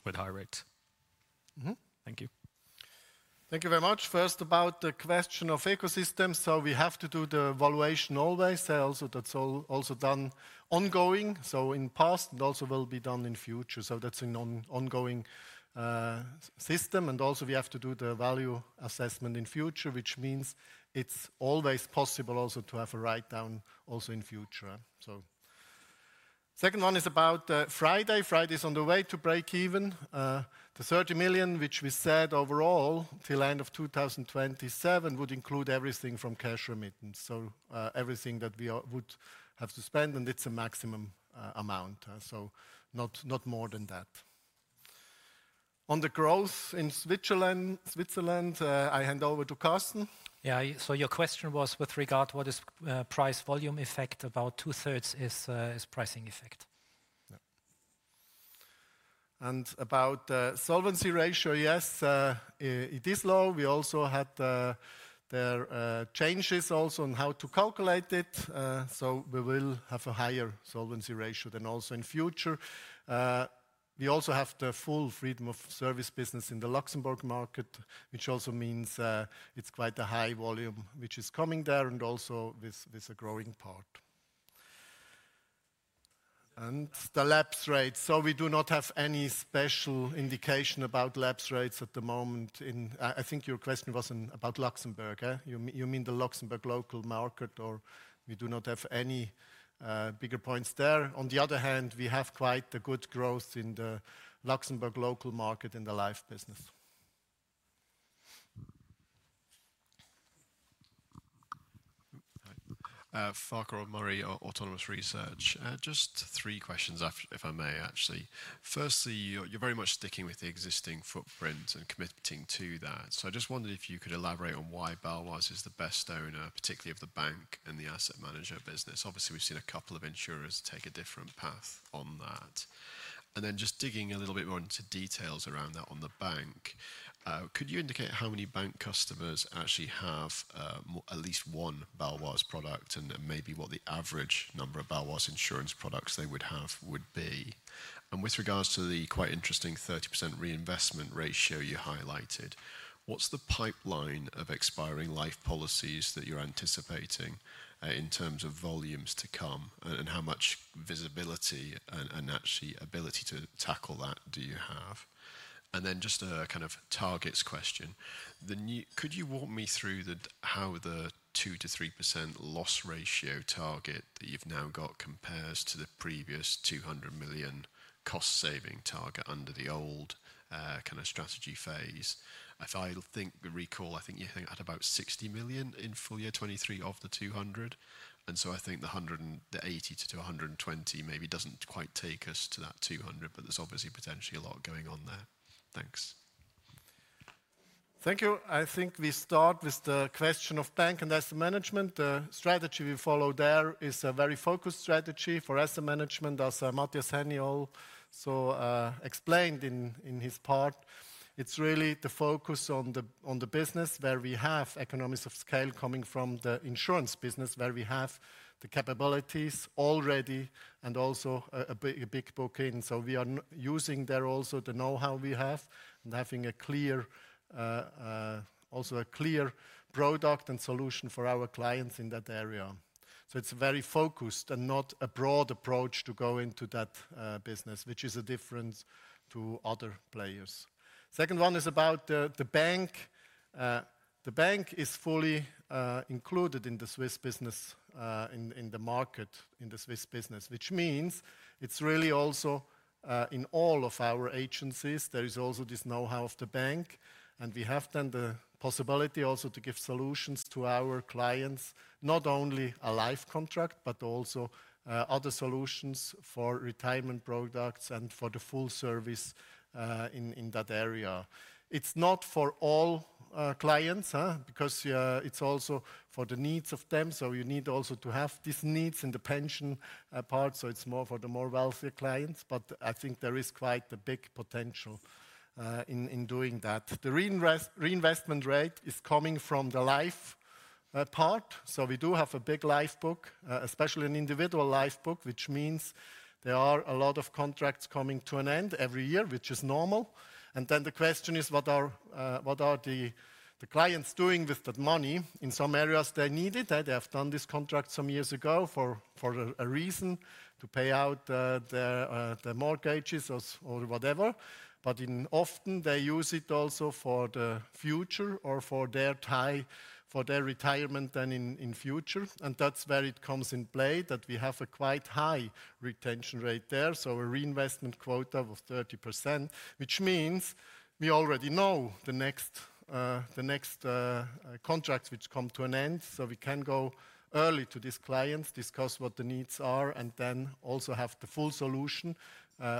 [SPEAKER 10] with higher rates?
[SPEAKER 1] Mm-hmm.
[SPEAKER 10] Thank you.
[SPEAKER 1] Thank you very much. First, about the question of ecosystems, so we have to do the valuation always. Also, that's also done ongoing, so in past, and also will be done in future. So that's an ongoing system. And also, we have to do the value assessment in future, which means it's always possible also to have a write-down also in future. So second one is about Friday. Friday is on the way to break even. The 30 million, which we said overall, till end of 2027, would include everything from cash remittance, so everything that we would have to spend, and it's a maximum amount, so not more than that. On the growth in Switzerland, I hand over to Carsten.
[SPEAKER 2] Yeah, so your question was with regard what is price-volume effect? About two-thirds is pricing effect.
[SPEAKER 1] Yeah. About solvency ratio, yes, it is low. We also had changes also on how to calculate it, so we will have a higher solvency ratio than also in future. We also have the full freedom of service business in the Luxembourg market, which also means it's quite a high volume which is coming there, and also this a growing part. The lapse rate, so we do not have any special indication about lapse rates at the moment in... I think your question was in about Luxembourg, eh? You mean the Luxembourg local market, or we do not have any bigger points there. On the other hand, we have quite a good growth in the Luxembourg local market in the life business.
[SPEAKER 11] Hi. Farquhar Murray, Autonomous Research. Just three questions if I may, actually. Firstly, you're very much sticking with the existing footprint and committing to that. So I just wondered if you could elaborate on why Baloise is the best owner, particularly of the bank and the asset management business. Obviously, we've seen a couple of insurers take a different path on that... and then just digging a little bit more into details around that on the bank, could you indicate how many bank customers actually have at least one Baloise product, and maybe what the average number of Baloise insurance products they would have would be? With regards to the quite interesting 30% reinvestment ratio you highlighted, what's the pipeline of expiring life policies that you're anticipating in terms of volumes to come, and how much visibility and actually ability to tackle that do you have? Then just a kind of targets question. Could you walk me through how the 2-3% loss ratio target that you've now got compares to the previous 200 million cost saving target under the old kind of strategy phase? If I recall, I think you had about 60 million in full year 2023 of the 200, and so I think the 180-120 maybe doesn't quite take us to that 200, but there's obviously potentially a lot going on there. Thanks.
[SPEAKER 1] Thank you. I think we start with the question of bank and asset management. The strategy we follow there is a very focused strategy for asset management, as Matthias Henny also explained in his part. It's really the focus on the business where we have economics of scale coming from the insurance business, where we have the capabilities already and also a big book in. So we are using there also the know-how we have, and having a clear also a clear product and solution for our clients in that area. So it's very focused and not a broad approach to go into that business, which is a difference to other players. Second one is about the bank. The bank is fully included in the Swiss business, which means it's really also in all of our agencies, there is also this know-how of the bank, and we have then the possibility also to give solutions to our clients, not only a life contract, but also other solutions for retirement products and for the full service in that area. It's not for all clients, huh? Because it's also for the needs of them. So you need also to have these needs in the pension part, so it's more for the more wealthier clients, but I think there is quite a big potential in doing that. The reinvestment rate is coming from the life part. We do have a big life book, especially in individual life book, which means there are a lot of contracts coming to an end every year, which is normal. Then the question is: what are the clients doing with that money? In some areas, they need it. They have done this contract some years ago for a reason, to pay out their mortgages or whatever. But often, they use it also for the future or for their retirement and in future, and that's where it comes into play that we have a quite high retention rate there, so a reinvestment quota of 30%, which means we already know the next contracts which come to an end, so we can go early to these clients, discuss what the needs are, and then also have the full solution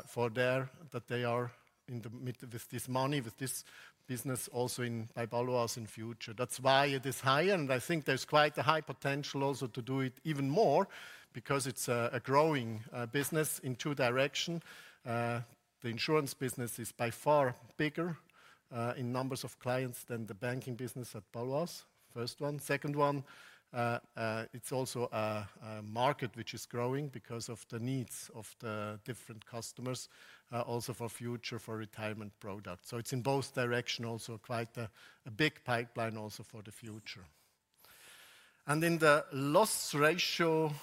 [SPEAKER 1] for their that they are in the middle with this money, with this business also in by Baloise in future. That's why it is high, and I think there's quite a high potential also to do it even more because it's a growing business in two directions. The insurance business is by far bigger in numbers of clients than the banking business at Baloise, first one. Second one, it's also a market which is growing because of the needs of the different customers, also for future, for retirement products. So it's in both direction, also quite a big pipeline also for the future. And in the loss ratio,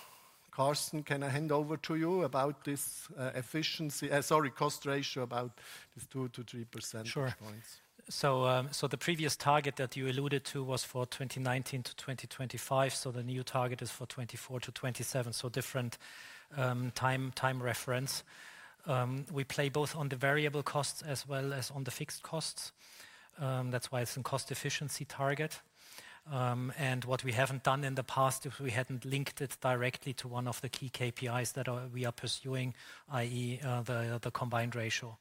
[SPEAKER 1] Carsten, can I hand over to you about this, efficiency. Sorry, cost ratio, about this two to three percentage points?
[SPEAKER 11] Sure.
[SPEAKER 2] So the previous target that you alluded to was for 2019 to 2025, so the new target is for 2024 to 2027, so different time reference. We play both on the variable costs as well as on the fixed costs, that's why it's a cost efficiency target. What we haven't done in the past is we hadn't linked it directly to one of the key KPIs that we are pursuing, i.e., the Combined Ratio.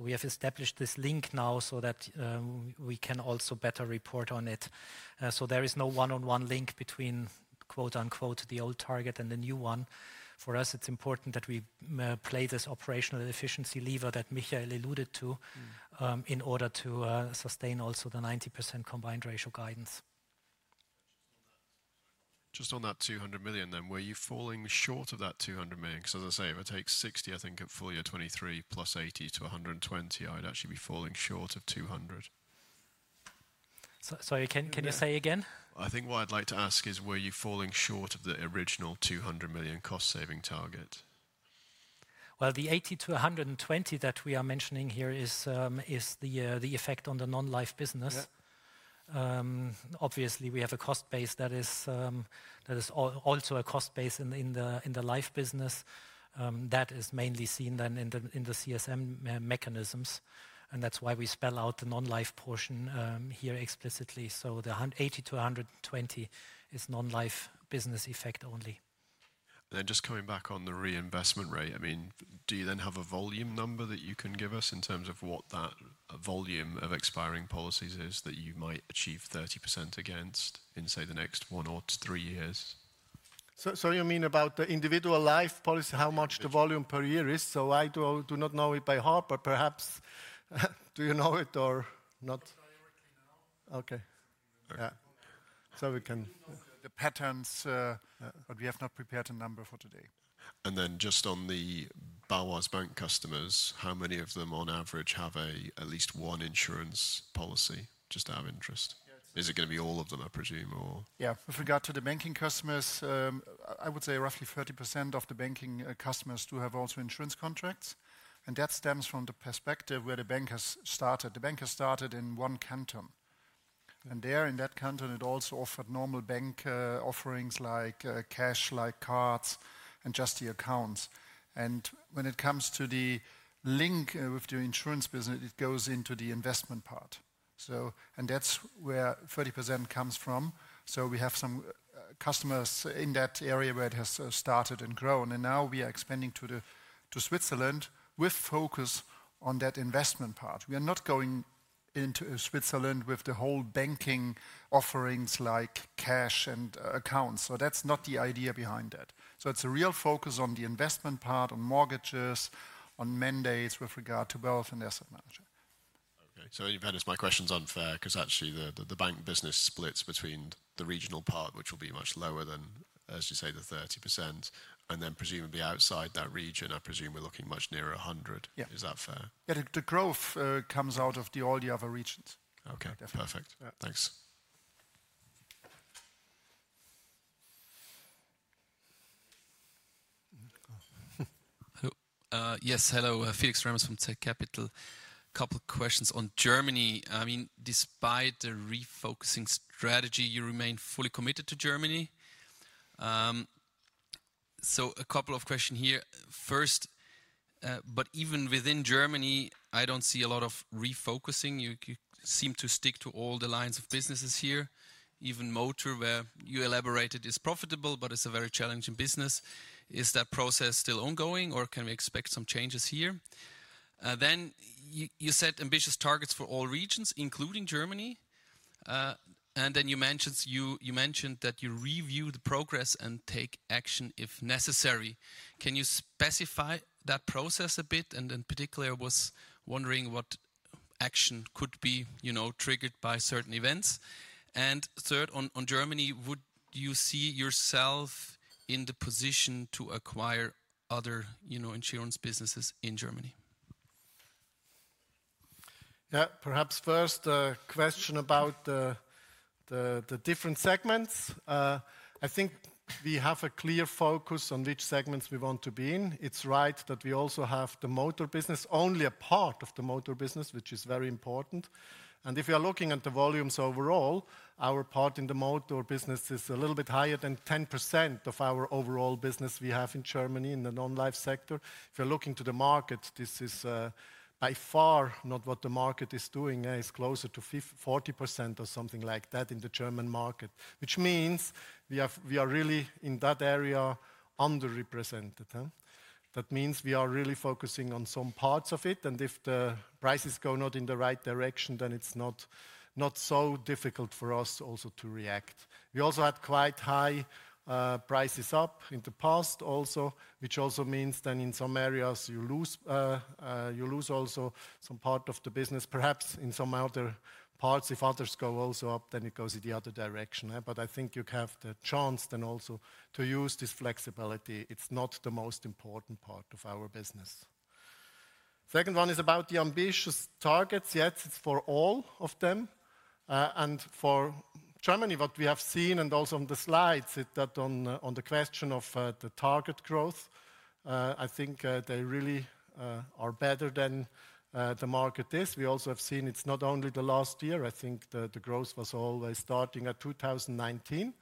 [SPEAKER 2] We have established this link now so that we can also better report on it. There is no one-on-one link between "the old target" and the new one. For us, it's important that we play this operational efficiency lever that Michael alluded to-
[SPEAKER 11] Mm-hmm...
[SPEAKER 2] in order to sustain also the 90% combined ratio guidance.
[SPEAKER 11] Just on that 200 million then, were you falling short of that 200 million? 'Cause as I say, if I take 60, I think, in full year 2023, plus 80-120, I'd actually be falling short of 200.
[SPEAKER 2] Sorry, can you say again?
[SPEAKER 11] I think what I'd like to ask is: Were you falling short of the original 200 million cost saving target?
[SPEAKER 2] The 80-120 that we are mentioning here is the effect on the non-life business.
[SPEAKER 11] Yeah.
[SPEAKER 2] Obviously, we have a cost base that is also a cost base in the life business. That is mainly seen then in the CSM mechanisms, and that's why we spell out the non-life portion here explicitly, so the 80-120 is non-life business effect only.
[SPEAKER 11] Just coming back on the reinvestment rate, I mean, do you then have a volume number that you can give us in terms of what that volume of expiring policies is, that you might achieve 30% against, in, say, the next one or three years?...
[SPEAKER 1] So you mean about the individual life policy, how much the volume per year is? So I do not know it by heart, but perhaps do you know it or not?
[SPEAKER 3] I'm working now.
[SPEAKER 1] Okay. Yeah. So we can-
[SPEAKER 3] The patterns, but we have not prepared a number for today.
[SPEAKER 11] Then just on the Baloise Bank customers, how many of them on average have at least one insurance policy, just out of interest?
[SPEAKER 3] Yeah, it's-
[SPEAKER 11] Is it gonna be all of them, I presume, or?
[SPEAKER 1] Yeah. With regard to the banking customers, I would say roughly 30% of the banking customers do have also insurance contracts. And that stems from the perspective where the bank has started. The bank has started in one canton, and there in that canton, it also offered normal bank offerings like cash, like cards, and just the accounts. And when it comes to the link with the insurance business, it goes into the investment part. So. And that's where 30% comes from. So we have some customers in that area where it has started and grown, and now we are expanding to Switzerland with focus on that investment part. We are not going into Switzerland with the whole banking offerings like cash and accounts. So that's not the idea behind it. So it's a real focus on the investment part, on mortgages, on mandates with regard to wealth and asset management.
[SPEAKER 11] Okay. So you've had this, my question's unfair 'cause actually the bank business splits between the regional part, which will be much lower than, as you say, the 30%, and then presumably outside that region, I presume we're looking much nearer a 100%.
[SPEAKER 1] Yeah.
[SPEAKER 11] Is that fair?
[SPEAKER 1] Yeah, the growth comes out of all the other regions.
[SPEAKER 11] Okay, perfect.
[SPEAKER 1] Yeah.
[SPEAKER 11] Thanks.
[SPEAKER 12] Yes, hello, Felix Remmers from Zürcher Kantonalbank Couple questions on Germany. I mean, despite the refocusing strategy, you remain fully committed to Germany? So a couple of question here. First, but even within Germany, I don't see a lot of refocusing. You seem to stick to all the lines of businesses here, even motor, where you elaborated is profitable, but it's a very challenging business. Is that process still ongoing, or can we expect some changes here? Then you set ambitious targets for all regions, including Germany, and then you mentioned that you review the progress and take action if necessary. Can you specify that process a bit? And in particular, I was wondering what action could be, you know, triggered by certain events. Third, on Germany, would you see yourself in the position to acquire other, you know, insurance businesses in Germany?
[SPEAKER 1] Yeah. Perhaps first, the question about the different segments. I think we have a clear focus on which segments we want to be in. It's right that we also have the motor business, only a part of the motor business, which is very important, and if you're looking at the volumes overall, our part in the motor business is a little bit higher than 10% of our overall business we have in Germany in the non-life sector. If you're looking to the market, this is by far not what the market is doing. It's closer to 40% or something like that in the German market, which means we are really in that area underrepresented, huh? That means we are really focusing on some parts of it, and if the prices go not in the right direction, then it's not so difficult for us also to react. We also had quite high prices up in the past also, which also means then in some areas you lose also some part of the business. Perhaps in some other parts, if others go also up, then it goes in the other direction, huh? But I think you have the chance then also to use this flexibility. It's not the most important part of our business. Second one is about the ambitious targets. Yes, it's for all of them. And for Germany, what we have seen, and also on the slides, is that on the question of the target growth, I think they really are better than the market is. We also have seen it's not only the last year, I think the growth was always starting at two thousand and nineteen.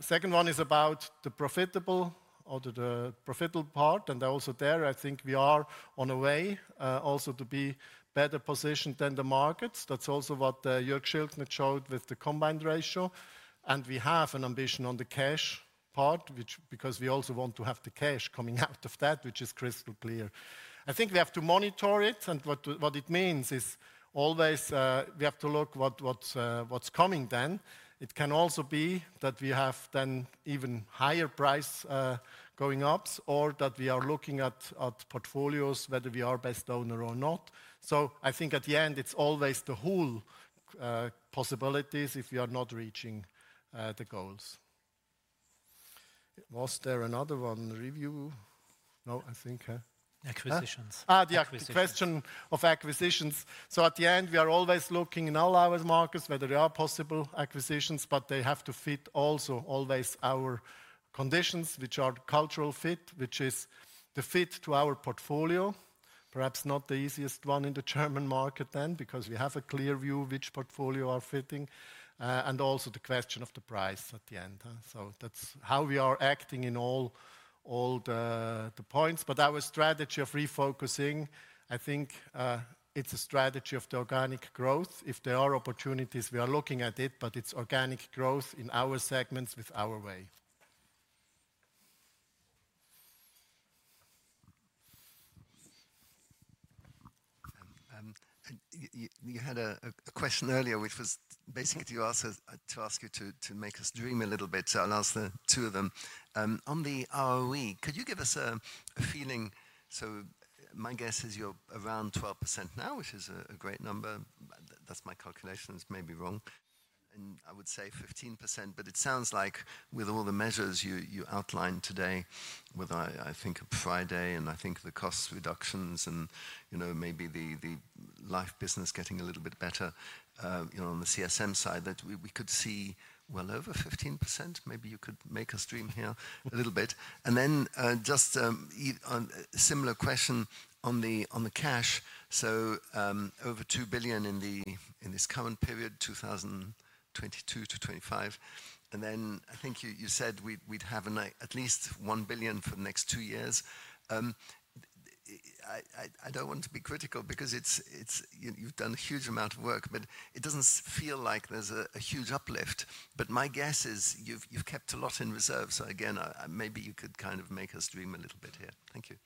[SPEAKER 1] Second one is about the profitable or the profitable part, and also there, I think we are on a way also to be better positioned than the markets. That's also what Jörg Schildknecht showed with the combined ratio, and we have an ambition on the cash part, which because we also want to have the cash coming out of that, which is crystal clear. I think we have to monitor it, and what it means is always, we have to look at what's coming then. It can also be that we have then even higher prices going up, or that we are looking at portfolios, whether we are best owner or not. So I think at the end, it's always the whole possibilities if we are not reaching the goals. Was there another one? Review? No, I think-
[SPEAKER 3] Acquisitions.
[SPEAKER 1] Ah, the-
[SPEAKER 3] Acquisitions...
[SPEAKER 1] question of acquisitions. So at the end, we are always looking in all our markets, whether there are possible acquisitions, but they have to fit also always our conditions, which are cultural fit, which is the fit to our portfolio. Perhaps not the easiest one in the German market then, because we have a clear view which portfolio are fitting, and also the question of the price at the end? So that's how we are acting in all the points. But our strategy of refocusing, I think, it's a strategy of the organic growth. If there are opportunities, we are looking at it, but it's organic growth in our segments with our way. ... you had a question earlier, which was basically to you ask us to ask you to make us dream a little bit, so I'll ask the two of them. On the ROE, could you give us a feeling? So my guess is you're around 12% now, which is a great number. That's my calculations, may be wrong, and I would say 15%. But it sounds like with all the measures you outlined today, with I think Friday, and I think the cost reductions and, you know, maybe the life business getting a little bit better, you know, on the CSM side, that we could see well over 15%. Maybe you could make us dream here a little bit.
[SPEAKER 8] And then just on a similar question on the cash. So over 2 billion in this current period, 2022-2025, and then I think you said we'd have at least 1 billion for the next two years. I don't want to be critical because it's you who've done a huge amount of work, but it doesn't feel like there's a huge uplift. But my guess is you've kept a lot in reserve. So again maybe you could kind of make us dream a little bit here. Thank you.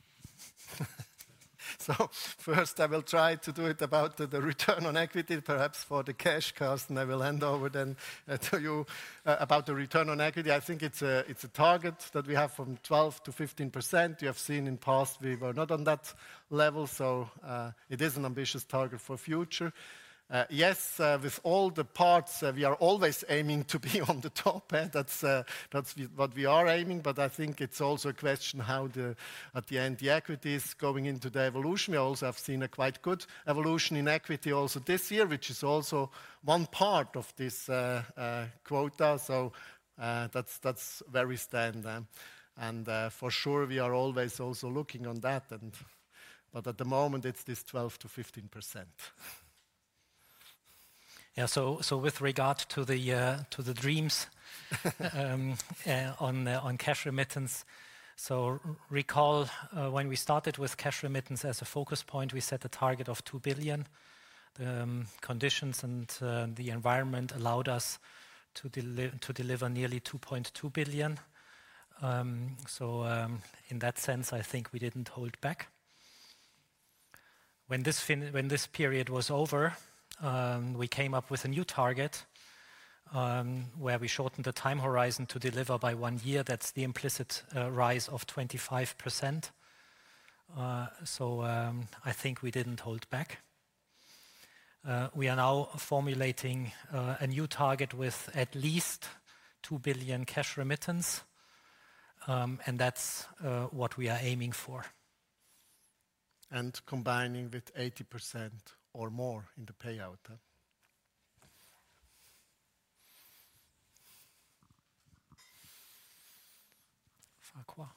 [SPEAKER 8] First, I will try to do it about the return on equity. Perhaps for the cash, Carsten, I will hand over then to you. About the return on equity, I think it's a target that we have from 12% to 15%. You have seen in the past, we were not on that level, so it is an ambitious target for the future. Yes, with all the parts, we are always aiming to be on the top end. That's what we are aiming, but I think it's also a question how, at the end, the equity is going into the evolution. We also have seen a quite good evolution in equity also this year, which is also one part of this ratio. That's where we stand then. For sure, we are always also looking on that. But at the moment, it's this 12%-15%.
[SPEAKER 2] Yeah. So, with regard to the terms on cash remittance. Recall when we started with cash remittance as a focus point, we set a target of 2 billion. Conditions and the environment allowed us to deliver nearly 2.2 billion. In that sense, I think we didn't hold back. When this period was over, we came up with a new target where we shortened the time horizon to deliver by one year. That's the implicit rise of 25%. I think we didn't hold back. We are now formulating a new target with at least 2 billion cash remittance, and that's what we are aiming for.
[SPEAKER 1] Combining with 80% or more in the payout, huh?
[SPEAKER 8] Farquhar.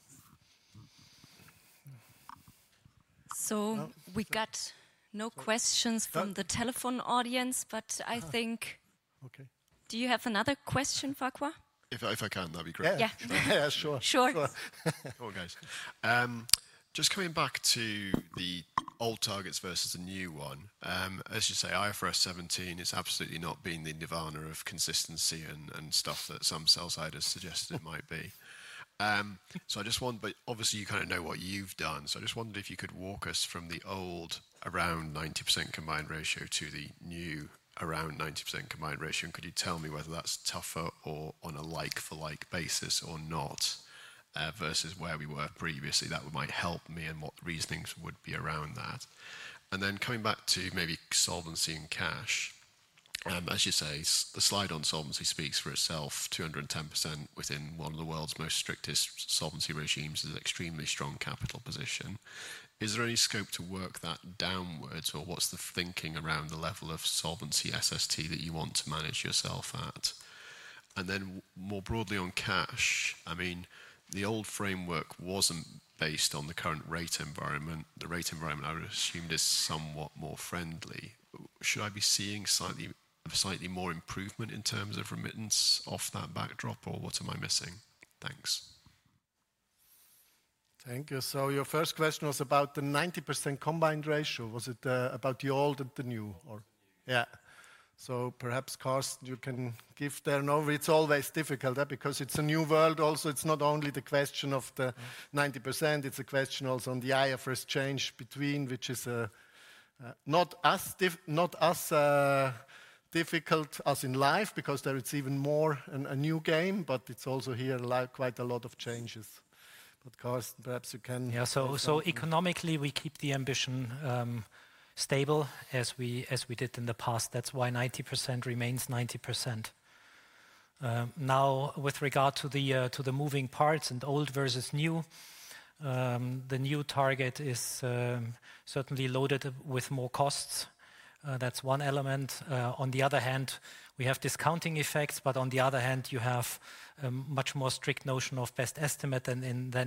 [SPEAKER 6] So we got no questions-
[SPEAKER 1] Huh?
[SPEAKER 6] from the telephone audience, but I think
[SPEAKER 1] Ah, okay.
[SPEAKER 6] Do you have another question, Farquhar?
[SPEAKER 11] If I can, that'd be great.
[SPEAKER 1] Yeah.
[SPEAKER 6] Yeah.
[SPEAKER 1] Yeah, sure.
[SPEAKER 6] Sure.
[SPEAKER 1] Sure.
[SPEAKER 11] Cool, guys. Just coming back to the old targets versus the new one. As you say, IFRS 17 has absolutely not been the nirvana of consistency and stuff that some sell-siders suggested it might be. So I just wonder, but obviously, you kind of know what you've done, so I just wondered if you could walk us from the old around 90% combined ratio to the new around 90% combined ratio, and could you tell me whether that's tougher or on a like for like basis or not, versus where we were previously? That might help me in what the reasonings would be around that, and then coming back to maybe solvency and cash. As you say, the slide on solvency speaks for itself, 210% within one of the world's most strictest solvency regimes is extremely strong capital position. Is there any scope to work that downwards, or what's the thinking around the level of solvency SST that you want to manage yourself at? And then more broadly on cash, I mean, the old framework wasn't based on the current rate environment. The rate environment, I would assume, is somewhat more friendly. Should I be seeing slightly more improvement in terms of remittance off that backdrop, or what am I missing? Thanks.
[SPEAKER 1] Thank you. So your first question was about the 90% combined ratio. Was it about the old or the new, or?
[SPEAKER 11] The new.
[SPEAKER 1] Yeah. So perhaps, Carsten, you can give there. No, it's always difficult because it's a new world. Also, it's not only the question of the 90%, it's a question also on the IFRS change between, which is not as difficult as in life, because there it's even more a new game, but it's also here, like quite a lot of changes. But Carsten, perhaps you can-
[SPEAKER 2] Yeah. So economically, we keep the ambition stable as we did in the past. That's why 90% remains 90%. Now, with regard to the moving parts and old versus new, the new target is certainly loaded with more costs. That's one element. On the other hand, we have discounting effects, but on the other hand, you have a much more strict notion of best estimate than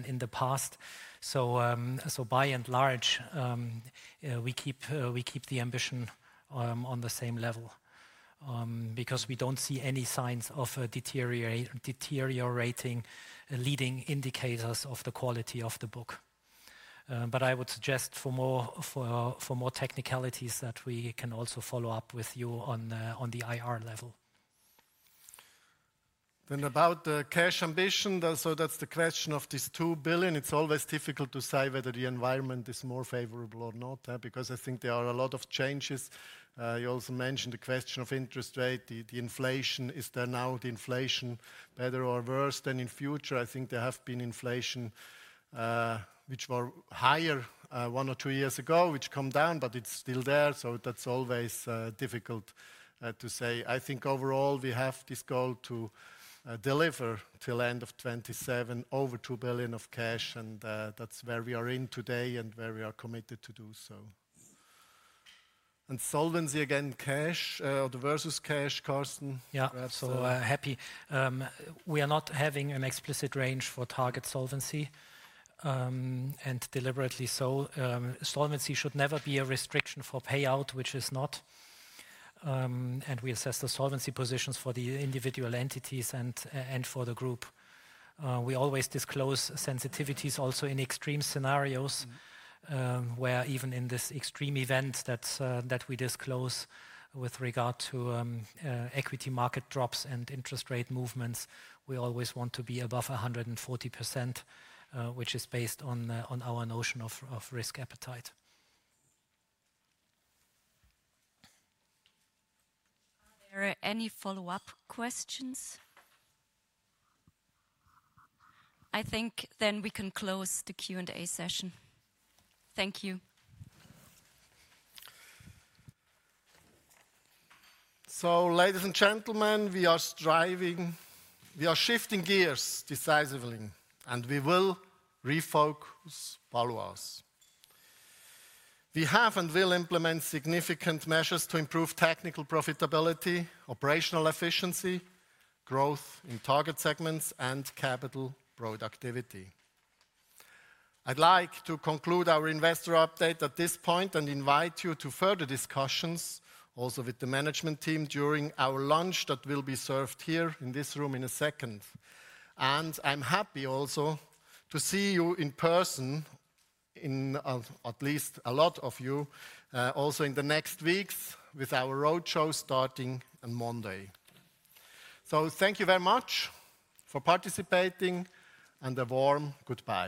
[SPEAKER 2] in the past. So by and large, we keep the ambition on the same level, because we don't see any signs of a deteriorating leading indicators of the quality of the book. But I would suggest for more technicalities, that we can also follow up with you on the IR level. ...
[SPEAKER 1] Then about the cash ambition, so that's the question of this 2 billion. It's always difficult to say whether the environment is more favorable or not, because I think there are a lot of changes. You also mentioned the question of interest rate, the inflation. Is there now the inflation better or worse than in future? I think there have been inflation, which were higher, one or two years ago, which come down, but it's still there, so that's always difficult to say. I think overall, we have this goal to deliver till end of 2027, over 2 billion of cash, and that's where we are in today and where we are committed to do so. And solvency again, cash, the versus cash, Carsten?
[SPEAKER 2] Yeah.
[SPEAKER 1] Perhaps, uh-
[SPEAKER 2] Happy. We are not having an explicit range for target solvency, and deliberately so. Solvency should never be a restriction for payout, which is not. And we assess the solvency positions for the individual entities and for the group. We always disclose sensitivities also in extreme scenarios, where even in this extreme event that we disclose with regard to equity market drops and interest rate movements, we always want to be above 140%, which is based on our notion of risk appetite.
[SPEAKER 6] Are there any follow-up questions? I think then we can close the Q&A session. Thank you.
[SPEAKER 1] So ladies and gentlemen, we are shifting gears decisively, and we will Refocus. Follow us. We have and will implement significant measures to improve technical profitability, operational efficiency, growth in target segments, and capital productivity. I'd like to conclude our investor update at this point and invite you to further discussions, also with the management team during our lunch that will be served here in this room in a second. And I'm happy also to see you in person, in at least a lot of you, also in the next weeks with our roadshow starting on Monday. So thank you very much for participating, and a warm goodbye.